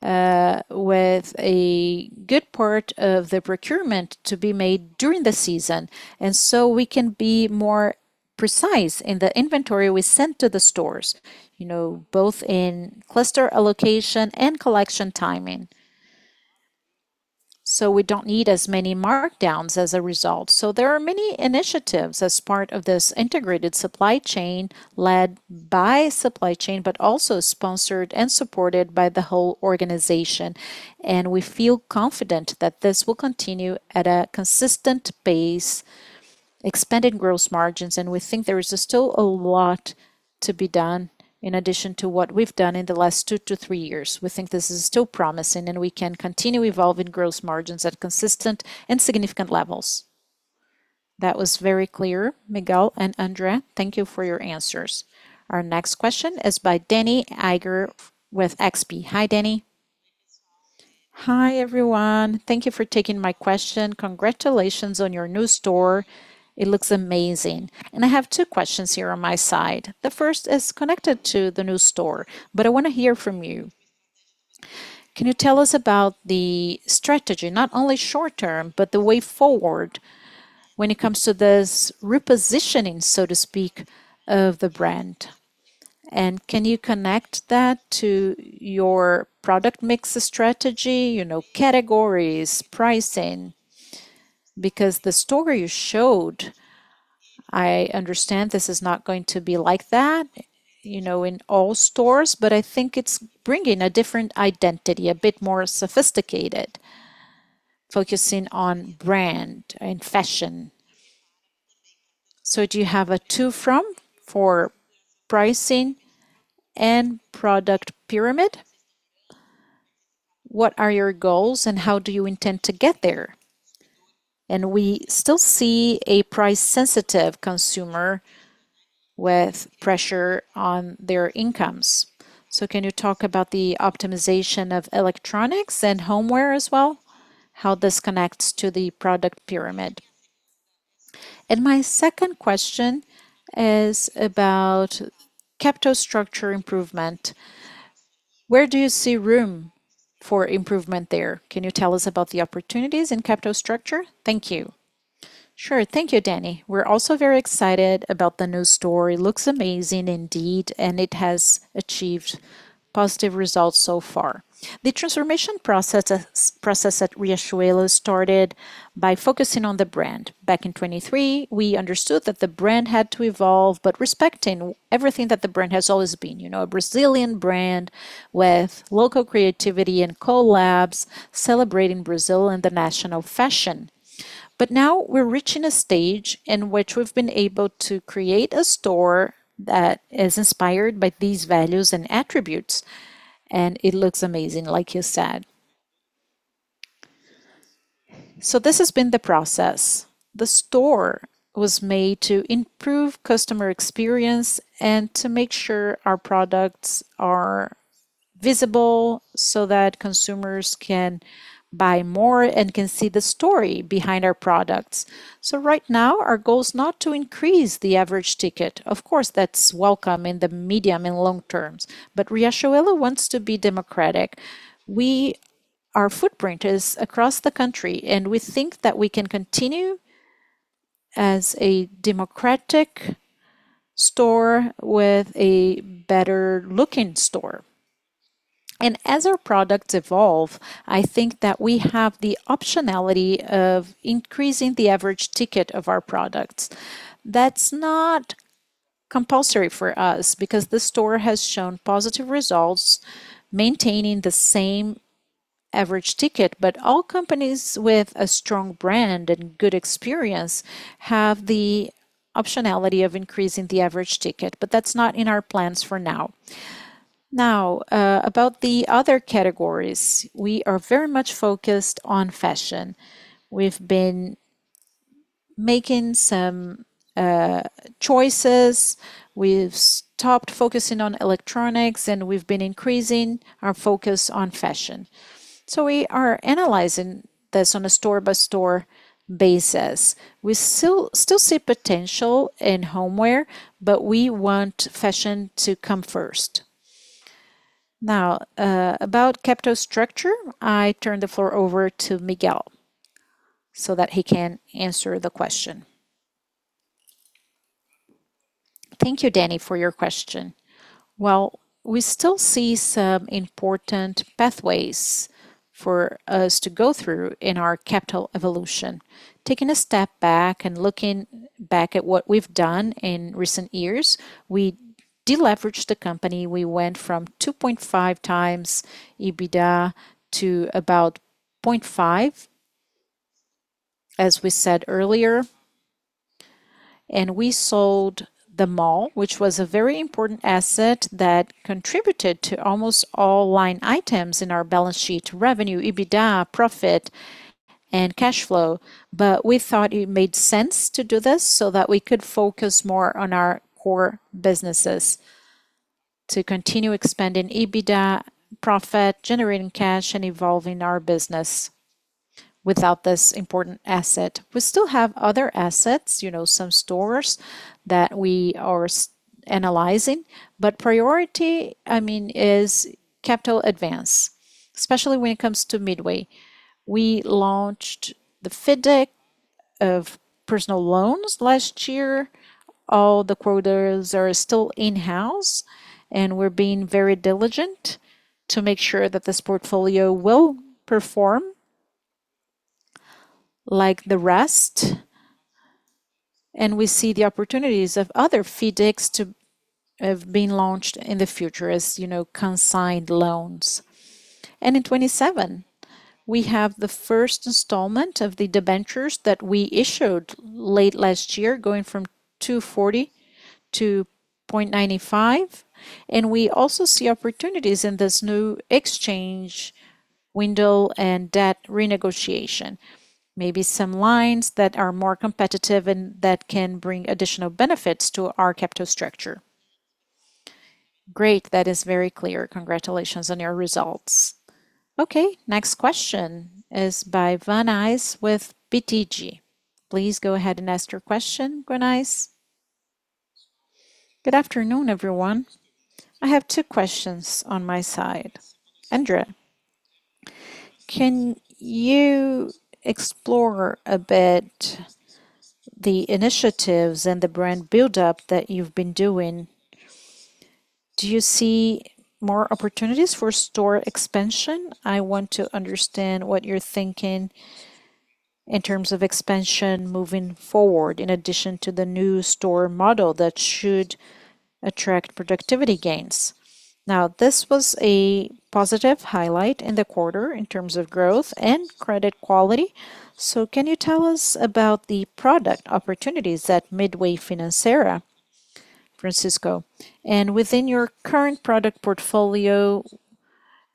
with a good part of the procurement to be made during the season, and so we can be more precise in the inventory we send to the stores, you know, both in cluster allocation and collection timing, so we don't need as many markdowns as a result. There are many initiatives as part of this integrated supply chain led by supply chain, but also sponsored and supported by the whole organization. We feel confident that this will continue at a consistent pace, expanded gross margins, and we think there is still a lot to be done in addition to what we've done in the last two to three years. We think this is still promising, and we can continue evolving gross margins at consistent and significant levels. That was very clear. Miguel and André, thank you for your answers. Our next question is by Dani Eiger with XP. Hi, Dani. Hi, everyone. Thank you for taking my question. Congratulations on your new store. It looks amazing. I have two questions here on my side. The first is connected to the new store, but I wanna hear from you. Can you tell us about the strategy, not only short-term, but the way forward when it comes to this repositioning, so to speak, of the brand? Can you connect that to your product mix strategy, you know, categories, pricing? Because the store you showed, I understand this is not going to be like that, you know, in all stores, but I think it's bringing a different identity, a bit more sophisticated, focusing on brand and fashion. Do you have a to, from for pricing and product pyramid? What are your goals and how do you intend to get there? We still see a price-sensitive consumer with pressure on their incomes. Can you talk about the optimization of electronics and homeware as well, how this connects to the product pyramid? My second question is about capital structure improvement. Where do you see room for improvement there? Can you tell us about the opportunities in capital structure? Thank you. Sure. Thank you, Dani. We are also very excited about the new store. It looks amazing indeed, and it has achieved positive results so far. The transformation process at Riachuelo started by focusing on the brand. Back in 2023, we understood that the brand had to evolve, but respecting everything that the brand has always been. You know, a Brazilian brand with local creativity and collabs celebrating Brazil and the national fashion. Now we're reaching a stage in which we've been able to create a store that is inspired by these values and attributes, and it looks amazing, like you said. This has been the process. The store was made to improve customer experience and to make sure our products are visible so that consumers can buy more and can see the story behind our products. Right now, our goal is not to increase the average ticket. Of course, that's welcome in the medium and long terms. Riachuelo wants to be democratic. Our footprint is across the country, and we think that we can continue as a democratic store with a better-looking store. As our products evolve, I think that we have the optionality of increasing the average ticket of our products. That's not compulsory for us because the store has shown positive results maintaining the same average ticket. All companies with a strong brand and good experience have the optionality of increasing the average ticket, but that's not in our plans for now. About the other categories, we are very much focused on fashion. We've been making some choices. We've stopped focusing on electronics, and we've been increasing our focus on fashion. We are analyzing this on a store-by-store basis. We still see potential in homeware, but we want fashion to come first. About capital structure, I turn the floor over to Miguel so that he can answer the question. Thank you, Dani, for your question. We still see some important pathways for us to go through in our capital evolution. Taking a step back, looking back at what we've done in recent years, we de-leveraged the company. We went from 2.5x EBITDA to about 0.5x, as we said earlier. We sold the mall, which was a very important asset that contributed to almost all line items in our balance sheet, revenue, EBITDA, profit, and cash flow. We thought it made sense to do this so that we could focus more on our core businesses to continue expanding EBITDA, profit, generating cash, and evolving our business without this important asset. We still have other assets, you know, some stores that we are analyzing, but priority, I mean, is capital advance, especially when it comes to Midway. We launched the FIDC of personal loans last year. All the quotas are still in-house, and we're being very diligent to make sure that this portfolio will perform like the rest. We see the opportunities of other FIDCs to have been launched in the future as, you know, consigned loans. In 2027, we have the first installment of the debentures that we issued late last year, going from 240-0.95. We also see opportunities in this new exchange window and debt renegotiation, maybe some lines that are more competitive and that can bring additional benefits to our capital structure. Great. That is very clear. Congratulations on your results. Okay. Next question is by Luiz Guanais with BTG. Please go ahead and ask your question, Guanais. Good afternoon, everyone. I have two questions on my side. André, can you explore a bit the initiatives and the brand build-up that you've been doing? Do you see more opportunities for store expansion? I want to understand what you're thinking in terms of expansion moving forward, in addition to the new store model that should attract productivity gains. This was a positive highlight in the quarter in terms of growth and credit quality. Can you tell us about the product opportunities at Midway Financeira, Francisco? Within your current product portfolio,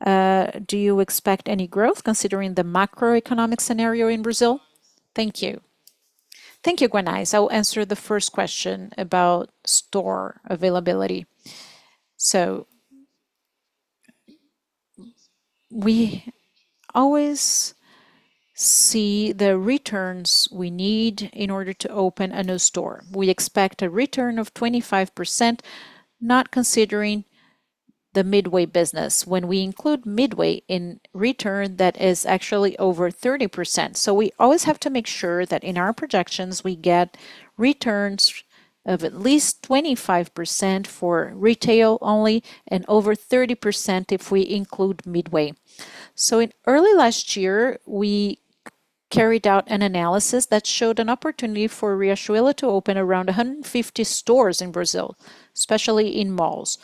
do you expect any growth considering the macroeconomic scenario in Brazil? Thank you. Thank you, Guanais. I'll answer the first question about store availability. We always see the returns we need in order to open a new store. We expect a return of 25%, not considering the Midway business. When we include Midway in return, that is actually over 30%. We always have to make sure that in our projections we get returns of at least 25% for retail only and over 30% if we include Midway. In early last year, we carried out an analysis that showed an opportunity for Riachuelo to open around 150 stores in Brazil, especially in malls.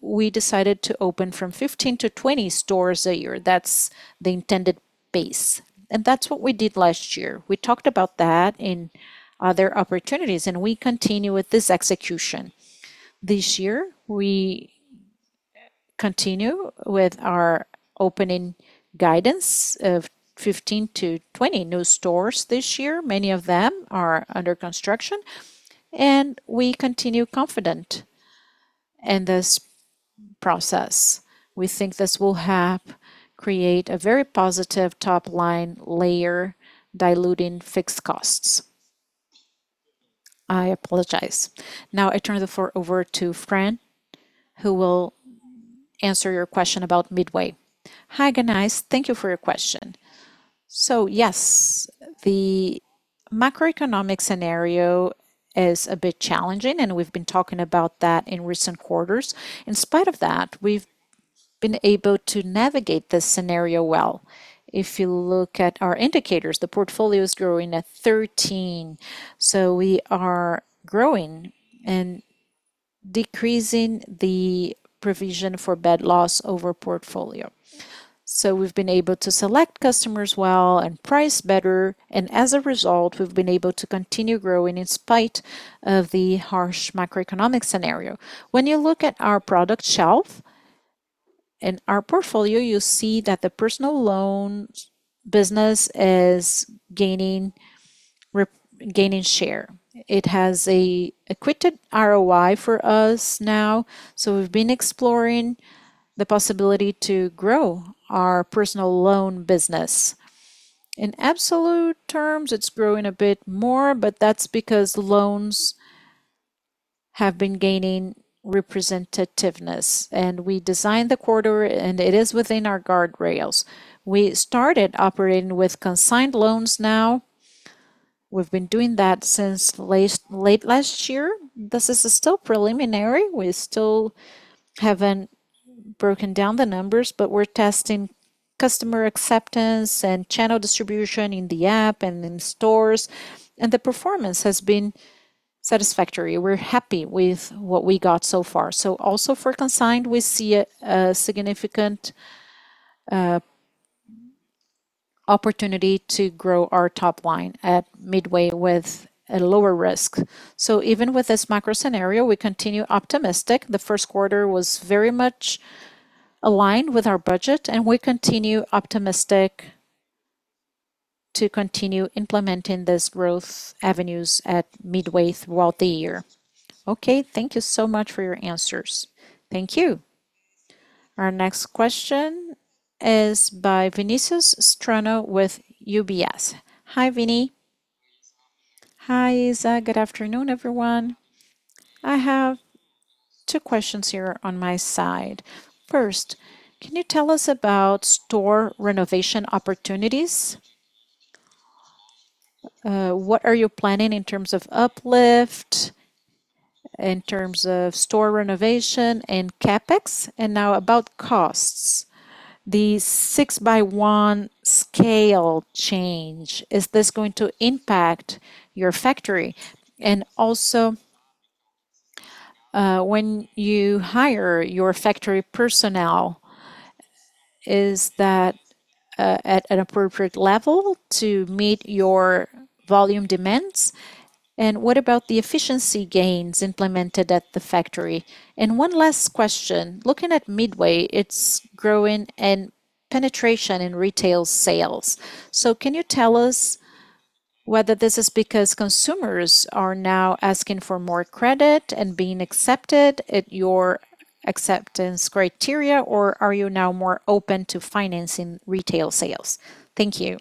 We decided to open from 15 to 20 stores a year. That's the intended base. That's what we did last year. We talked about that in other opportunities, and we continue with this execution. This year, we continue with our opening guidance of 15 to 20 new stores this year. Many of them are under construction. We continue confident in this process. We think this will help create a very positive top-line layer diluting fixed costs. I apologize. Now I turn the floor over to Fran, who will answer your question about Midway. Hi, Guanais. Thank you for your question. Yes, the macroeconomic scenario is a bit challenging, and we've been talking about that in recent quarters. In spite of that, we've been able to navigate this scenario well. If you look at our indicators, the portfolio is growing at 13%. We are growing and decreasing the provision for bad loss over portfolio. We've been able to select customers well and price better. As a result, we've been able to continue growing in spite of the harsh macroeconomic scenario. When you look at our product shelf and our portfolio, you see that the personal loan business is gaining share. It has a equated ROI for us now. We've been exploring the possibility to grow our personal loan business. In absolute terms, it's growing a bit more, but that's because loans have been gaining representativeness. We designed the quarter, and it is within our guardrails. We started operating with consigned loans now. We've been doing that since last, late last year. This is still preliminary. We still haven't broken down the numbers, but we're testing customer acceptance and channel distribution in the app and in stores. The performance has been satisfactory. We're happy with what we got so far. Also for consigned, we see a significant opportunity to grow our top line at Midway with a lower risk. Even with this macro scenario, we continue optimistic. The first quarter was very much aligned with our budget, and we continue optimistic to continue implementing this growth avenues at Midway throughout the year. Okay, thank you so much for your answers. Thank you. Our next question is by Vinícius Strano with UBS. Hi, Viní. Hi, Isa. Good afternoon, everyone. I have two questions here on my side. Can you tell us about store renovation opportunities? What are you planning in terms of uplift, in terms of store renovation and CapEx? Now about costs. The 6-by-1 scale change, is this going to impact your factory? Also, when you hire your factory personnel, is that at an appropriate level to meet your volume demands? What about the efficiency gains implemented at the factory? 1 last question. Looking at Midway, it's growing in penetration in retail sales. Can you tell us whether this is because consumers are now asking for more credit and being accepted at your acceptance criteria, or are you now more open to financing retail sales? Thank you.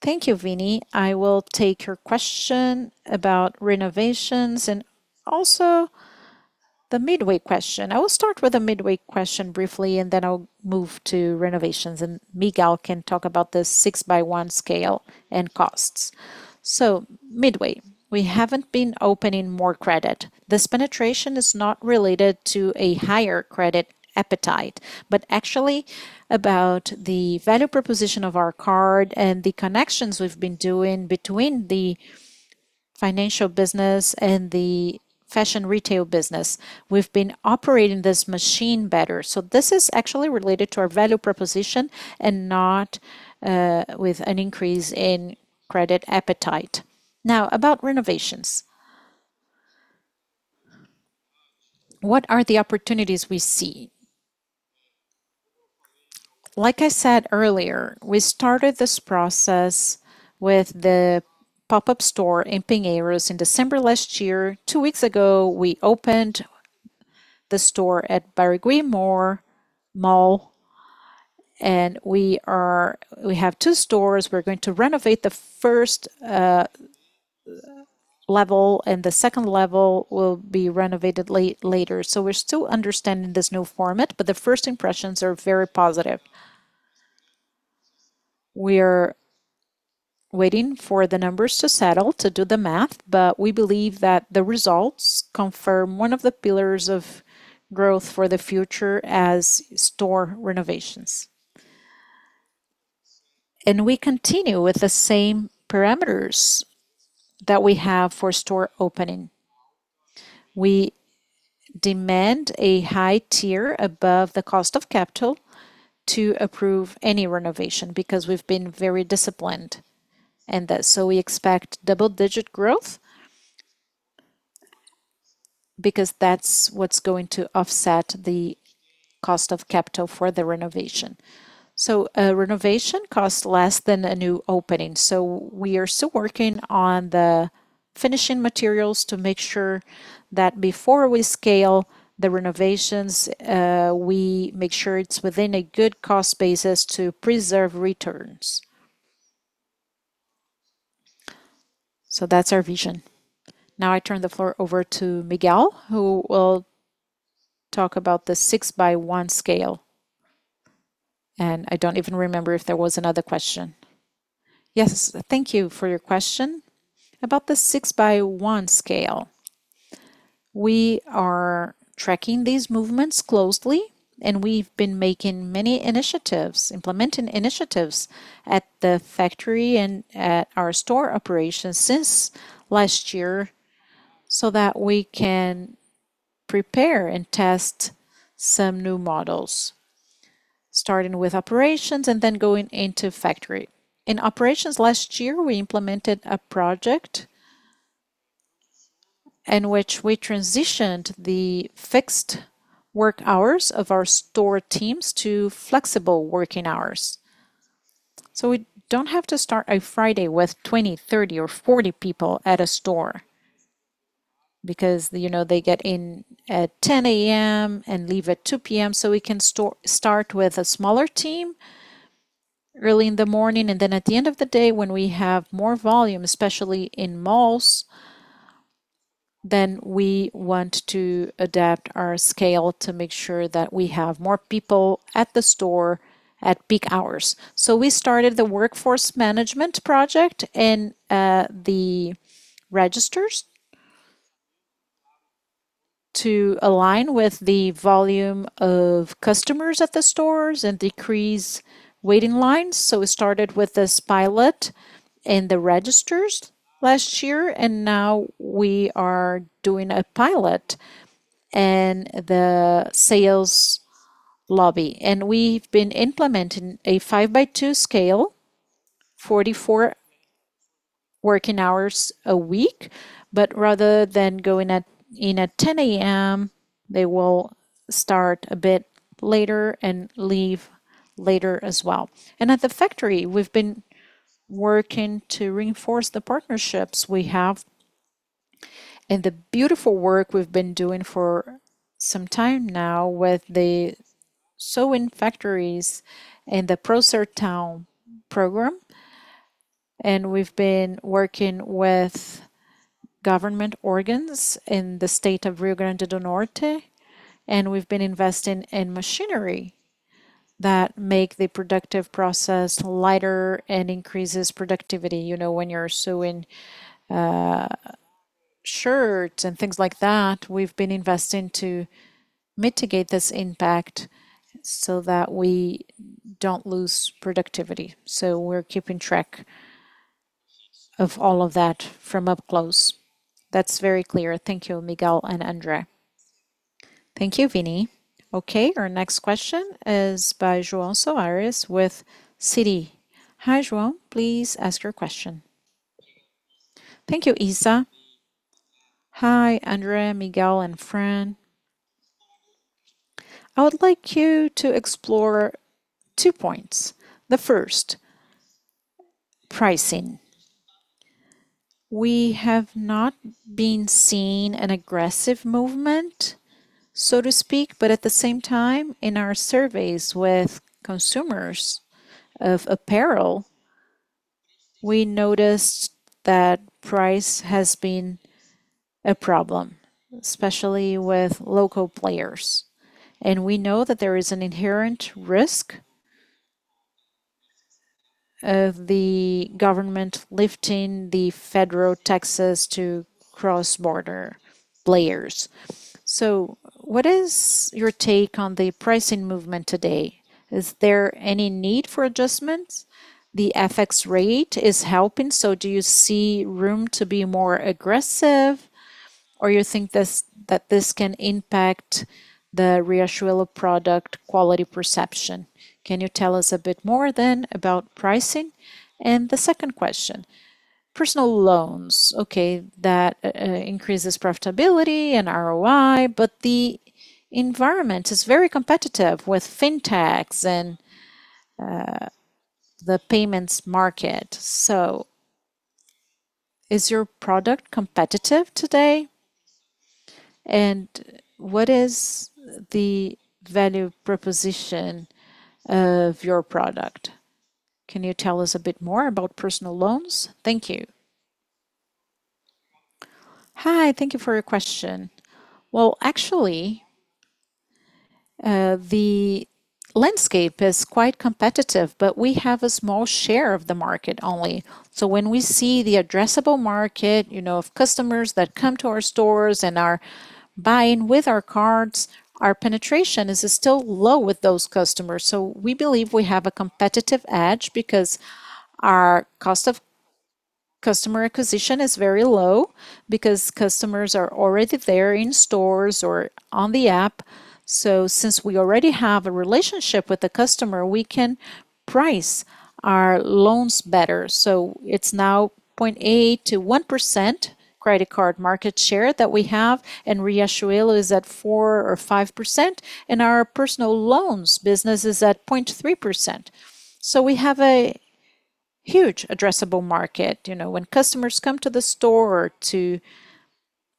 Thank you, Viní. I will take your question about renovations and also the Midway question. I will start with the Midway question briefly, and then I'll move to renovations, and Miguel can talk about the 6-by-1 scale and costs. Midway, we haven't been opening more credit. This penetration is not related to a higher credit appetite, but actually about the value proposition of our card and the connections we've been doing between financial business and the fashion retail business. We've been operating this machine better. This is actually related to our value proposition and not with an increase in credit appetite. Now, about renovations. What are the opportunities we see? Like I said earlier, we started this process with the pop-up store in Pinheiros in December last year. Two weeks ago, we opened the store at Barigui Mall, and we have two stores. We're going to renovate the first level, and the second level will be renovated later. We're still understanding this new format, but the first impressions are very positive. We're waiting for the numbers to settle to do the math, but we believe that the results confirm one of the pillars of growth for the future as store renovations. We continue with the same parameters that we have for store opening. We demand a high tier above the cost of capital to approve any renovation because we've been very disciplined. We expect double-digit growth because that's what's going to offset the cost of capital for the renovation. A renovation costs less than a new opening. We are still working on the finishing materials to make sure that before we scale the renovations, we make sure it's within a good cost basis to preserve returns. I turn the floor over to Miguel, who will talk about the 6-by-1 scale. I don't even remember if there was another question. Yes, thank you for your question. About the 6-by-1 scale, we are tracking these movements closely, and we've been implementing initiatives at the factory and at our store operations since last year so that we can prepare and test some new models, starting with operations and then going into factory. In operations last year, we implemented a project in which we transitioned the fixed work hours of our store teams to flexible working hours. We don't have to start a Friday with 20, 30, or 40 people at a store because, you know, they get in at 10 A.M. and leave at 2 P.M. We can start with a smaller team early in the morning, and then at the end of the day, when we have more volume, especially in malls, then we want to adapt our scale to make sure that we have more people at the store at peak hours. We started the workforce management project in the registers to align with the volume of customers at the stores and decrease waiting lines. We started with this pilot in the registers last year, and now we are doing a pilot in the sales lobby. We've been implementing a 5-by-2 scale, 44 working hours a week. Rather than going in at 10:00 A.M., they will start a bit later and leave later as well. At the factory, we've been working to reinforce the partnerships we have and the beautiful work we've been doing for some time now with the sewing factories and the PróSERTÃO program. We've been working with government organs in the state of Rio Grande do Norte, and we've been investing in machinery that make the productive process lighter and increases productivity. You know, when you're sewing shirts and things like that, we've been investing to mitigate this impact so that we don't lose productivity. We're keeping track of all of that from up close. That's very clear. Thank you, Miguel and André. Thank you, Viní. Our next question is by João Soares with Citi. Hi, João. Please ask your question. Thank you, Isa. Hi, André, Miguel, and Fran. I would like you to explore two points. The first, pricing. We have not been seeing an aggressive movement, so to speak. At the same time, in our surveys with consumers of apparel, we noticed that price has been a problem, especially with local players. We know that there is an inherent risk of the government lifting the federal taxes to cross-border players. What is your take on the pricing movement today? Is there any need for adjustments? The FX rate is helping, so do you see room to be more aggressive or you think this, that this can impact the Riachuelo product quality perception? Can you tell us a bit more then about pricing? The second question, personal loans. Okay, that increases profitability and ROI, but the environment is very competitive with fintechs and the payments market. Is your product competitive today, and what is the value proposition of your product? Can you tell us a bit more about personal loans? Thank you. Hi. Thank you for your question. Well, actually, the landscape is quite competitive, but we have a small share of the market only. When we see the addressable market, you know, of customers that come to our stores and are buying with our cards, our penetration is still low with those customers. We believe we have a competitive edge because our cost of customer acquisition is very low because customers are already there in stores or on the app. Since we already have a relationship with the customer, we can price our loans better. It's now 0.8%-1% credit card market share that we have, and Riachuelo is at 4%-5%, and our personal loans business is at 0.3%. We have a huge addressable market. You know, when customers come to the store to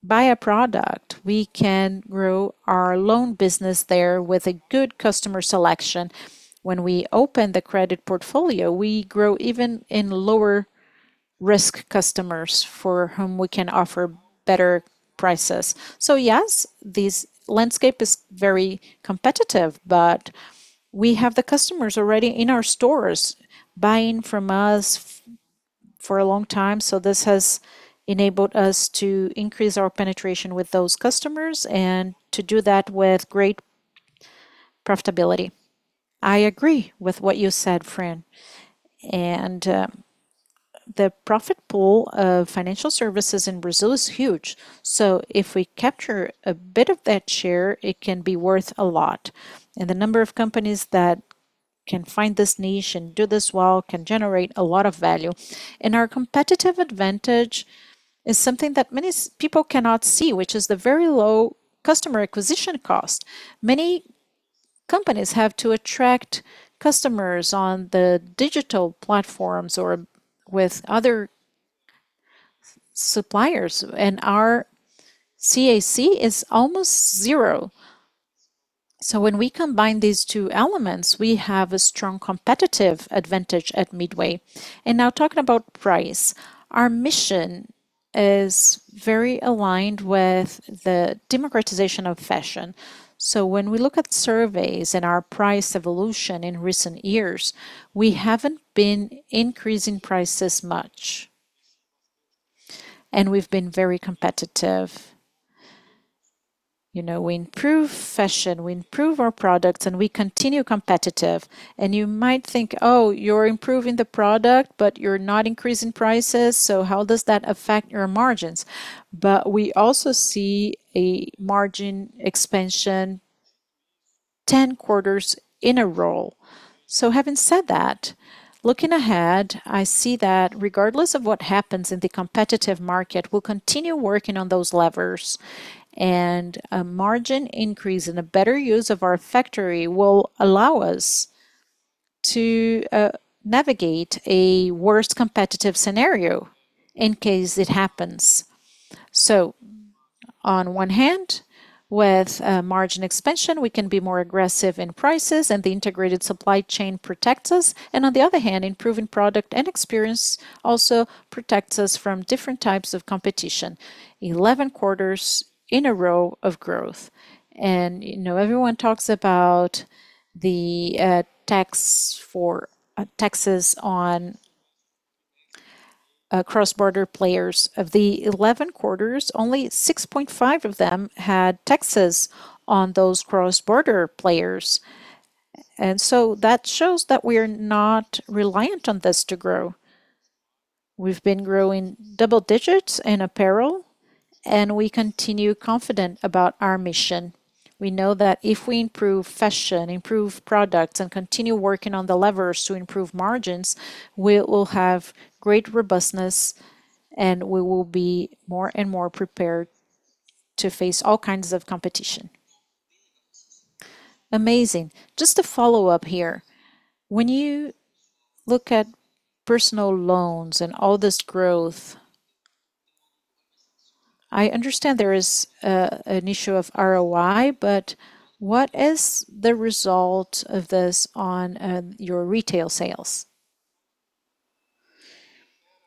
buy a product, we can grow our loan business there with a good customer selection. When we open the credit portfolio, we grow even in lower risk customers for whom we can offer better prices. Yes, this landscape is very competitive, but we have the customers already in our stores buying from us for a long time, so this has enabled us to increase our penetration with those customers and to do that with great profitability. I agree with what you said, Fran. The profit pool of financial services in Brazil is huge. If we capture a bit of that share, it can be worth a lot. The number of companies that can find this niche and do this well can generate a lot of value. Our competitive advantage is something that many people cannot see, which is the very low customer acquisition cost. Many companies have to attract customers on the digital platforms or with other suppliers, and our CAC is almost zero. When we combine these two elements, we have a strong competitive advantage at Midway. Now talking about price, our mission is very aligned with the democratization of fashion. When we look at surveys and our price evolution in recent years, we haven't been increasing prices much, and we've been very competitive. You know, we improve fashion, we improve our products, and we continue competitive. You might think, "Oh, you're improving the product, but you're not increasing prices, so how does that affect your margins?" We also see a margin expansion 10 quarters in a row. Having said that, looking ahead, I see that regardless of what happens in the competitive market, we'll continue working on those levers. A margin increase and a better use of our factory will allow us to navigate a worse competitive scenario in case it happens. On one hand, with margin expansion, we can be more aggressive in prices, and the integrated supply chain protects us. On the other hand, improving product and experience also protects us from different types of competition. 11 quarters in a row of growth. You know, everyone talks about the tax for taxes on cross-border players. Of the 11 quarters, only 6.5 of them had taxes on those cross-border players. That shows that we're not reliant on this to grow. We've been growing double digits in apparel, and we continue confident about our mission. We know that if we improve fashion, improve products, and continue working on the levers to improve margins, we will have great robustness, and we will be more and more prepared to face all kinds of competition. Amazing. Just a follow-up here. When you look at personal loans and all this growth, I understand there is an issue of ROI, but what is the result of this on your retail sales?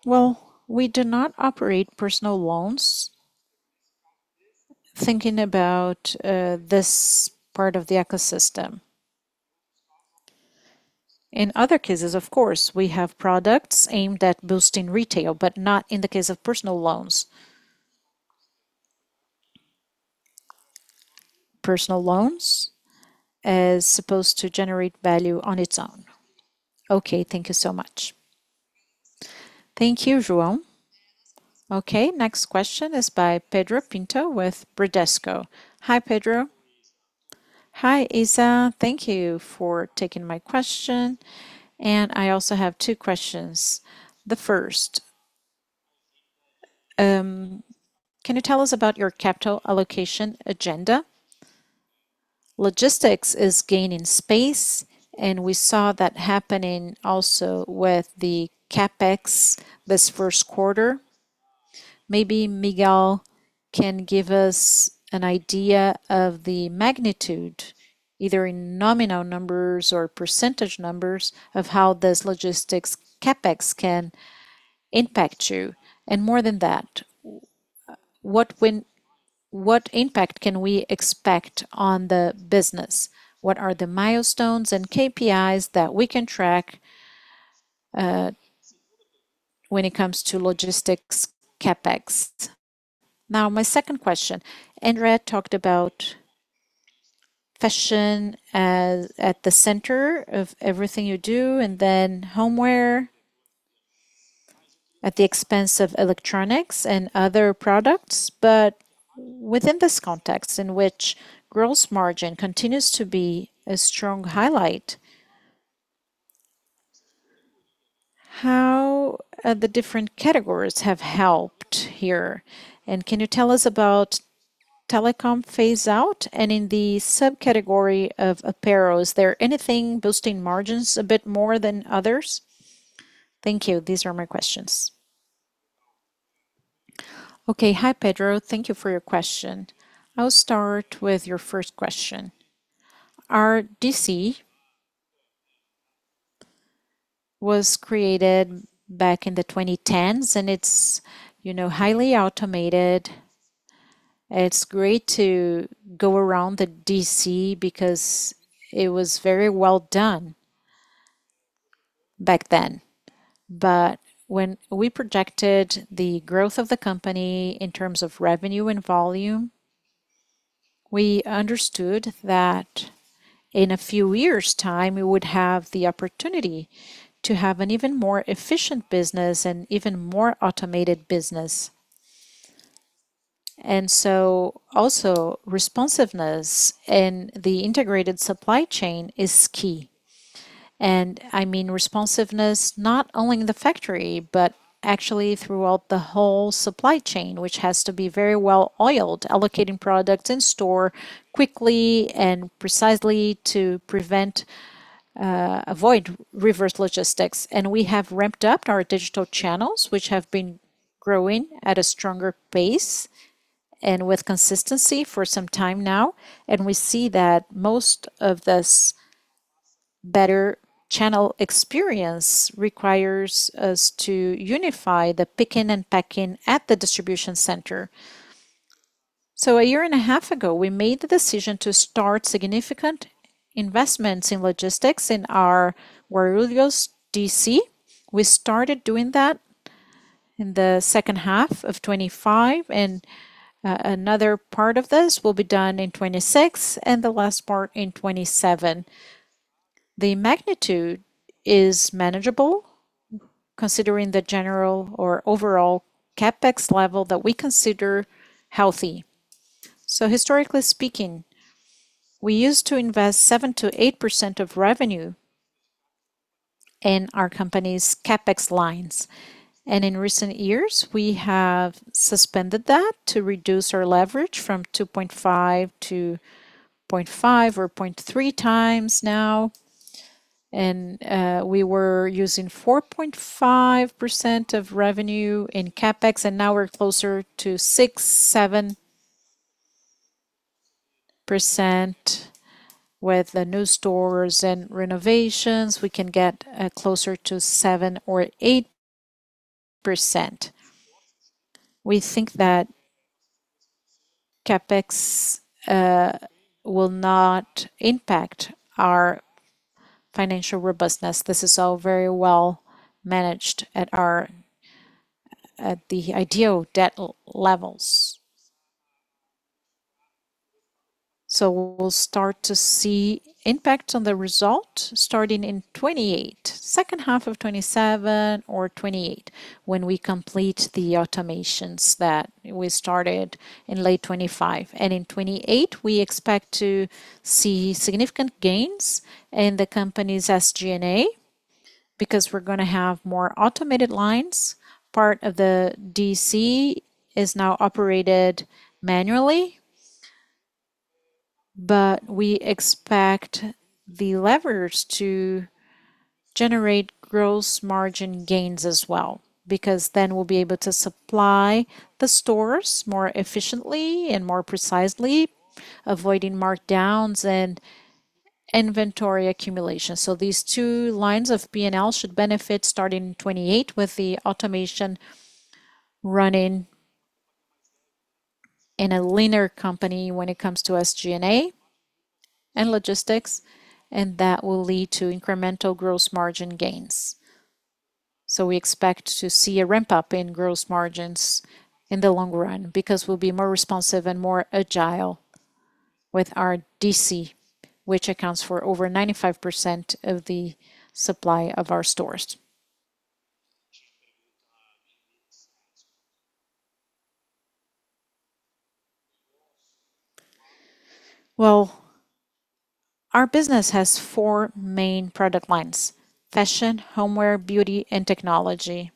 Well, we do not operate personal loans thinking about this part of the ecosystem. In other cases, of course, we have products aimed at boosting retail, but not in the case of personal loans. Personal loans is supposed to generate value on its own. Okay. Thank you so much. Thank you, João. Next question is by Pedro Pinto with Bradesco. Hi, Pedro. Hi, Isa. Thank you for taking my question. I also have two questions. The first, can you tell us about your capital allocation agenda? Logistics is gaining space, and we saw that happening also with the CapEx this first quarter. Maybe Miguel can give us an idea of the magnitude, either in nominal numbers or percentage numbers, of how this logistics CapEx can impact you. More than that, what impact can we expect on the business? What are the milestones and KPIs that we can track when it comes to logistics CapEx? My second question. André talked about fashion as at the center of everything you do, then homeware at the expense of electronics and other products. Within this context in which gross margin continues to be a strong highlight, how the different categories have helped here? Can you tell us about telecom phase out? In the subcategory of apparel, is there anything boosting margins a bit more than others? Thank you. These are my questions. Okay. Hi, Pedro. Thank you for your question. I'll start with your first question. Our DC was created back in the 2010s, and it's, you know, highly automated. It's great to go around the DC because it was very well done back then. When we projected the growth of the company in terms of revenue and volume, we understood that in a few years' time, we would have the opportunity to have an even more efficient business and even more automated business. Also responsiveness in the integrated supply chain is key. I mean responsiveness not only in the factory, but actually throughout the whole supply chain, which has to be very well-oiled, allocating products in store quickly and precisely to prevent, avoid reverse logistics. We have ramped up our digital channels, which have been growing at a stronger pace and with consistency for some time now. We see that most of this better channel experience requires us to unify the picking and packing at the distribution center. A 1.5 years ago, we made the decision to start significant investments in logistics in our Guararapes DC. We started doing that in the second half of 2025, and another part of this will be done in 2026, and the last part in 2027. The magnitude is manageable considering the general or overall CapEx level that we consider healthy. Historically speaking, we used to invest 7%-8% of revenue in our company's CapEx lines. In recent years, we have suspended that to reduce our leverage from 2.5%-0.5% or 0.3x now. We were using 4.5% of revenue in CapEx, and now we're closer to 6%, 7%. With the new stores and renovations, we can get closer to 7% or 8%. We think that CapEx will not impact our financial robustness. This is all very well managed at the ideal debt levels. We'll start to see impact on the result starting in 2028, second half of 2027 or 2028, when we complete the automations that we started in late 2025. In 2028, we expect to see significant gains in the company's SG&A because we're gonna have more automated lines. Part of the DC is now operated manually, we expect the levers to generate gross margin gains as well, because we'll be able to supply the stores more efficiently and more precisely, avoiding markdowns and inventory accumulation. These two lines of P&L should benefit starting in 2028 with the automation running in a leaner company when it comes to SG&A and logistics, that will lead to incremental gross margin gains. We expect to see a ramp-up in gross margins in the long run because we'll be more responsive and more agile with our DC, which accounts for over 95% of the supply of our stores. Our business has four main product lines: fashion, homeware, beauty, and technology.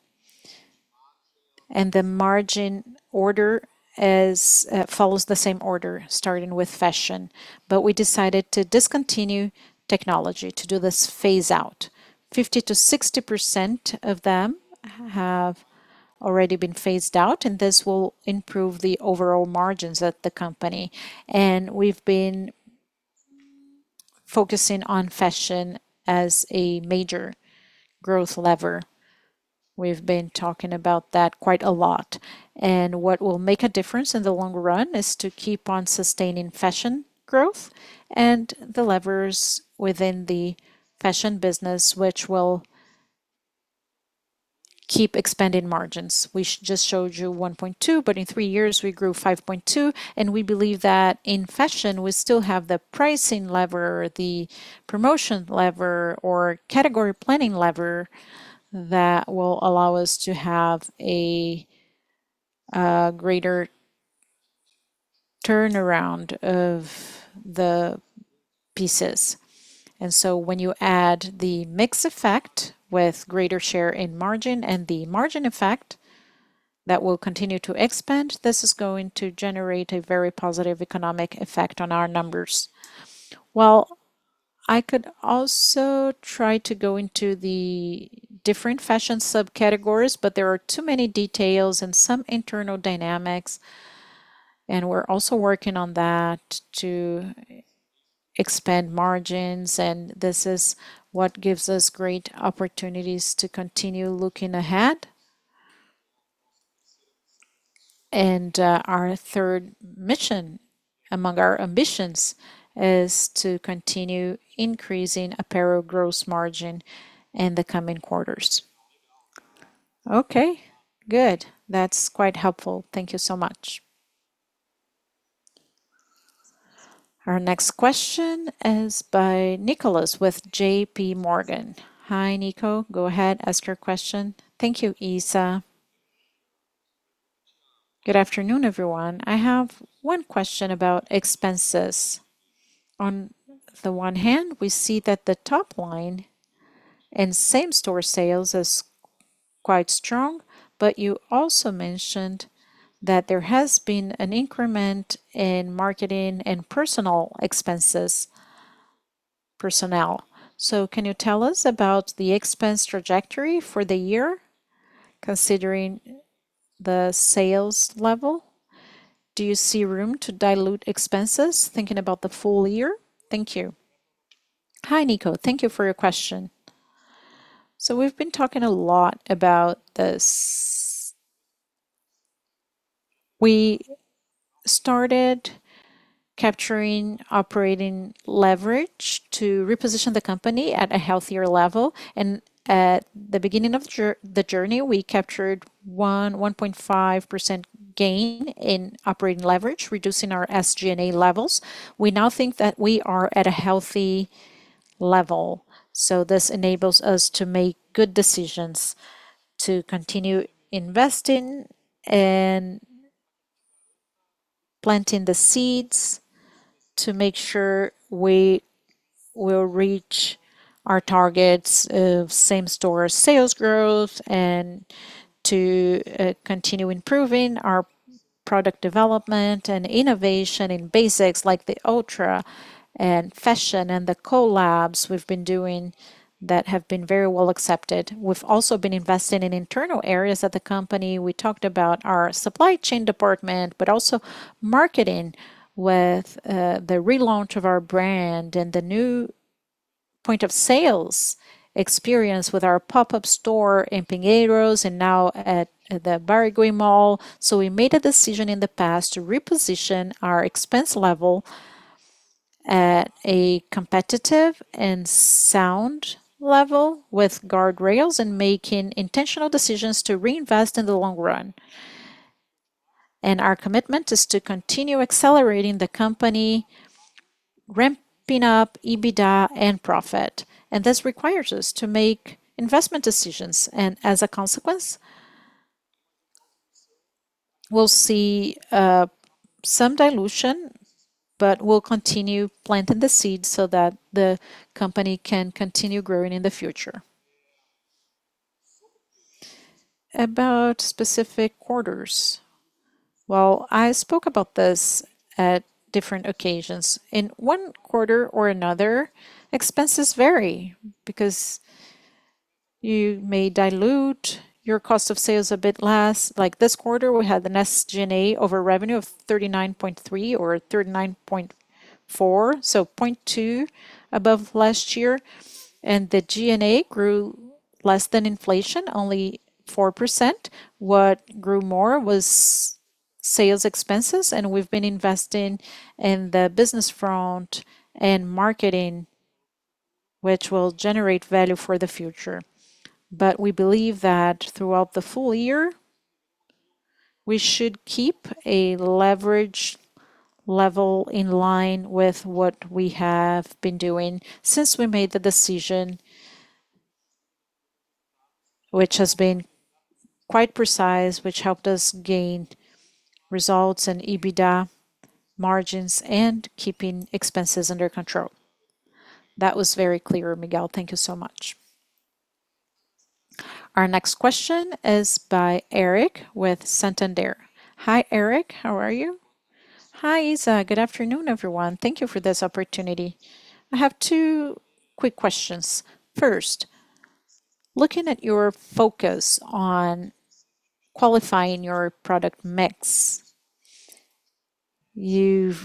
The margin order is, follows the same order, starting with fashion. We decided to discontinue technology to do this phase out. 50%-60% of them have already been phased out, and this will improve the overall margins at the company. We've been focusing on fashion as a major growth lever. We've been talking about that quite a lot. What will make a difference in the long run is to keep on sustaining fashion growth and the levers within the fashion business, which will keep expanding margins. We just showed you 1.2, but in three years we grew 5.2, and we believe that in fashion, we still have the pricing lever, the promotion lever, or category planning lever that will allow us to have a greater turnaround of the pieces. When you add the mix effect with greater share in margin and the margin effect that will continue to expand, this is going to generate a very positive economic effect on our numbers. I could also try to go into the different fashion subcategories, but there are too many details and some internal dynamics. We're also working on that to expand margins. This is what gives us great opportunities to continue looking ahead. Our third mission among our ambitions is to continue increasing apparel gross margin in the coming quarters. Okay, good. That's quite helpful. Thank you so much. Our next question is by Nicholas with JPMorgan. Hi, Nico. Go ahead, ask your question. Thank you, Isa. Good afternoon, everyone. I have one question about expenses. On the one hand, we see that the top line and same-store sales is quite strong, but you also mentioned that there has been an increment in marketing and personnel expenses. Can you tell us about the expense trajectory for the year, considering the sales level? Do you see room to dilute expenses thinking about the full year? Thank you. Hi, Nico. Thank you for your question. We've been talking a lot about this. We started capturing operating leverage to reposition the company at a healthier level. At the beginning of the journey, we captured 1.5% gain in operating leverage, reducing our SG&A levels. We now think that we are at a healthy level, so this enables us to make good decisions to continue investing and planting the seeds to make sure we will reach our targets of same-store sales growth and to continue improving our product development and innovation in basics like the D-Ultra and fashion and the collabs we've been doing that have been very well accepted. We've also been investing in internal areas of the company. We talked about our supply chain department, but also marketing with the relaunch of our brand and the new point of sales experience with our pop-up store in Pinheiros and now at the Barigui Mall. We made a decision in the past to reposition our expense level at a competitive and sound level with guardrails and making intentional decisions to reinvest in the long run. Our commitment is to continue accelerating the company, ramping up EBITDA and profit, and this requires us to make investment decisions. As a consequence, we'll see some dilution, but we'll continue planting the seeds so that the company can continue growing in the future. About specific quarters. Well, I spoke about this at different occasions. In one quarter or another, expenses vary because you may dilute your cost of sales a bit less. Like this quarter, we had an SG&A over revenue of 39.3% or 39.4%, so 0.2% above last year. The G&A grew less than inflation, only 4%. What grew more was Sales expenses, and we've been investing in the business front and marketing, which will generate value for the future. We believe that throughout the full year, we should keep a leverage level in line with what we have been doing since we made the decision, which has been quite precise, which helped us gain results and EBITDA margins and keeping expenses under control. That was very clear, Miguel. Thank you so much. Our next question is by Eric with Santander. Hi, Eric. How are you? Hi, Isa. Good afternoon, everyone. Thank you for this opportunity. I have two quick questions. First, looking at your focus on qualifying your product mix, you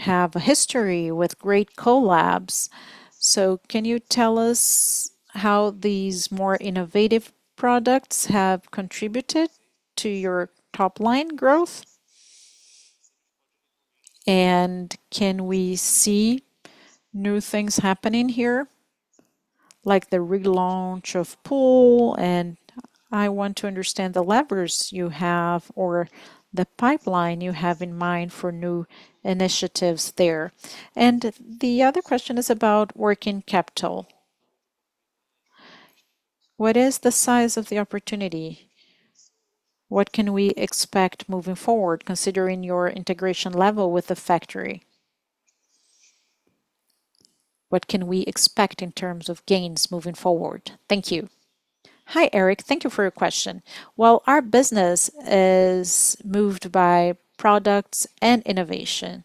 have a history with great collabs, so can you tell us how these more innovative products have contributed to your top line growth? Can we see new things happening here, like the relaunch of Pool? I want to understand the levers you have or the pipeline you have in mind for new initiatives there. The other question is about working capital. What is the size of the opportunity? What can we expect moving forward, considering your integration level with the factory? What can we expect in terms of gains moving forward? Thank you. Hi, Eric. Thank you for your question. Well, our business is moved by products and innovation,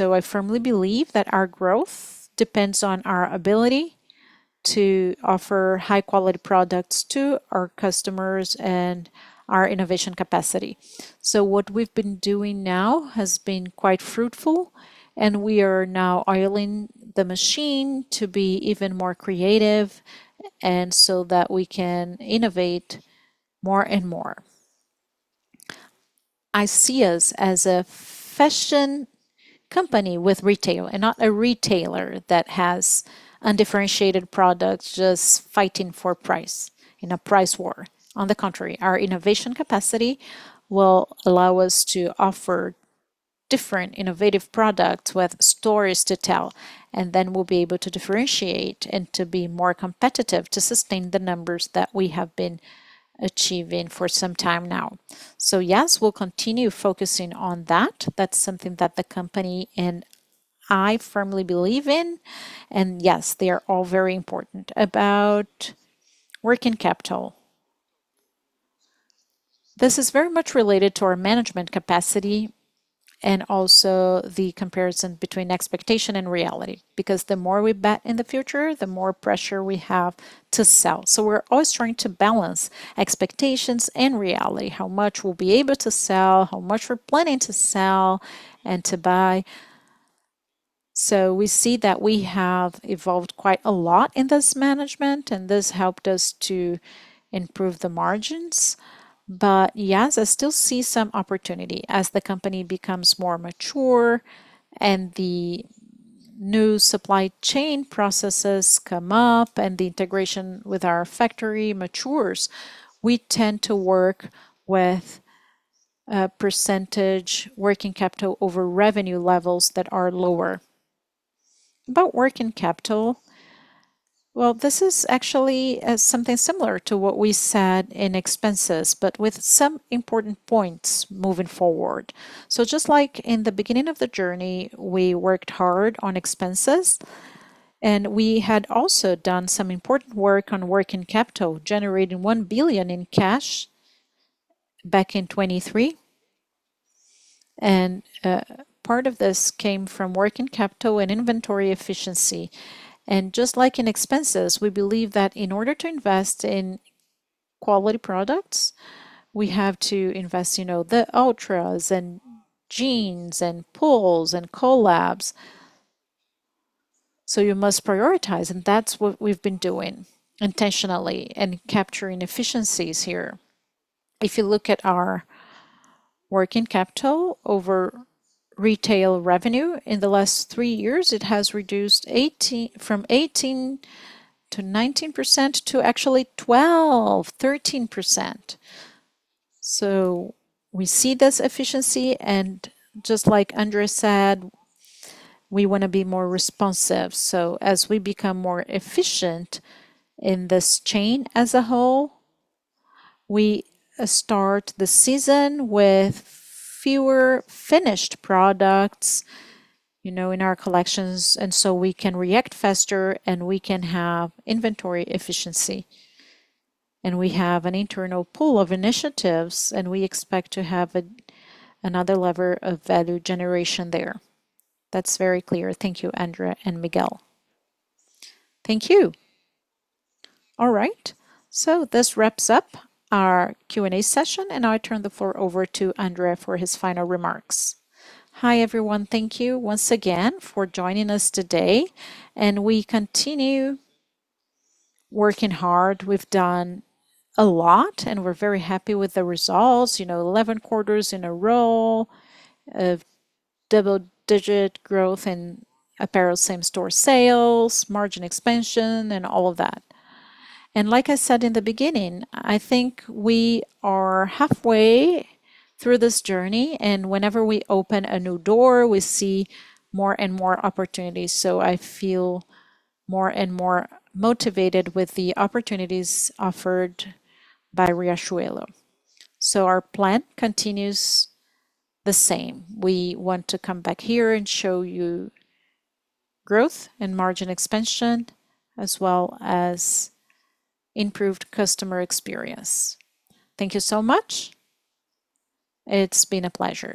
I firmly believe that our growth depends on our ability to offer high-quality products to our customers and our innovation capacity. What we've been doing now has been quite fruitful, and we are now oiling the machine to be even more creative and so that we can innovate more and more. I see us as a fashion company with retail and not a retailer that has undifferentiated products just fighting for price in a price war. On the contrary, our innovation capacity will allow us to offer different innovative products with stories to tell, and then we'll be able to differentiate and to be more competitive to sustain the numbers that we have been achieving for some time now. Yes, we'll continue focusing on that. That's something that the company and I firmly believe in, and yes, they are all very important. About working capital. This is very much related to our management capacity and also the comparison between expectation and reality, because the more we bet in the future, the more pressure we have to sell. We're always trying to balance expectations and reality, how much we'll be able to sell, how much we're planning to sell and to buy. We see that we have evolved quite a lot in this management, and this helped us to improve the margins. Yes, I still see some opportunity. As the company becomes more mature and the new supply chain processes come up and the integration with our factory matures, we tend to work with a percentage working capital over revenue levels that are lower. About working capital. This is actually something similar to what we said in expenses, but with some important points moving forward. Just like in the beginning of the journey, we worked hard on expenses, and we had also done some important work on working capital, generating 1 billion in cash back in 2023. Part of this came from working Just like in expenses, we believe that in order to invest in quality products, we have to invest, you know, the D-Ultras and jeans and Pool and collabs, so you must prioritize, and that's what we've been doing intentionally and capturing efficiencies here. If you look at our working capital over retail revenue in the last three years, it has reduced from 18%-19% to actually 12%, 13%. We see this efficiency, and just like André Farber said, we wanna be more responsive. As we become more efficient in this chain as a whole, we start the season with fewer finished products, you know, in our collections, and so we can react faster, and we can have inventory efficiency. We have an internal pool of initiatives, and we expect to have another lever of value generation there. That's very clear. Thank you, André and Miguel. Thank you. All right. This wraps up our Q&A session, and I turn the floor over to André Farber for his final remarks. Hi, everyone. Thank you once again for joining us today, and we continue working hard. We've done a lot, and we're very happy with the results. You know, 11 quarters in a row of double-digit growth in apparel same-store sales, margin expansion, and all of that. Like I said in the beginning, I think we are halfway through this journey, and whenever we open a new door, we see more and more opportunities, so I feel more and more motivated with the opportunities offered by Riachuelo. Our plan continues the same. We want to come back here and show you growth and margin expansion as well as improved customer experience. Thank you so much. It's been a pleasure.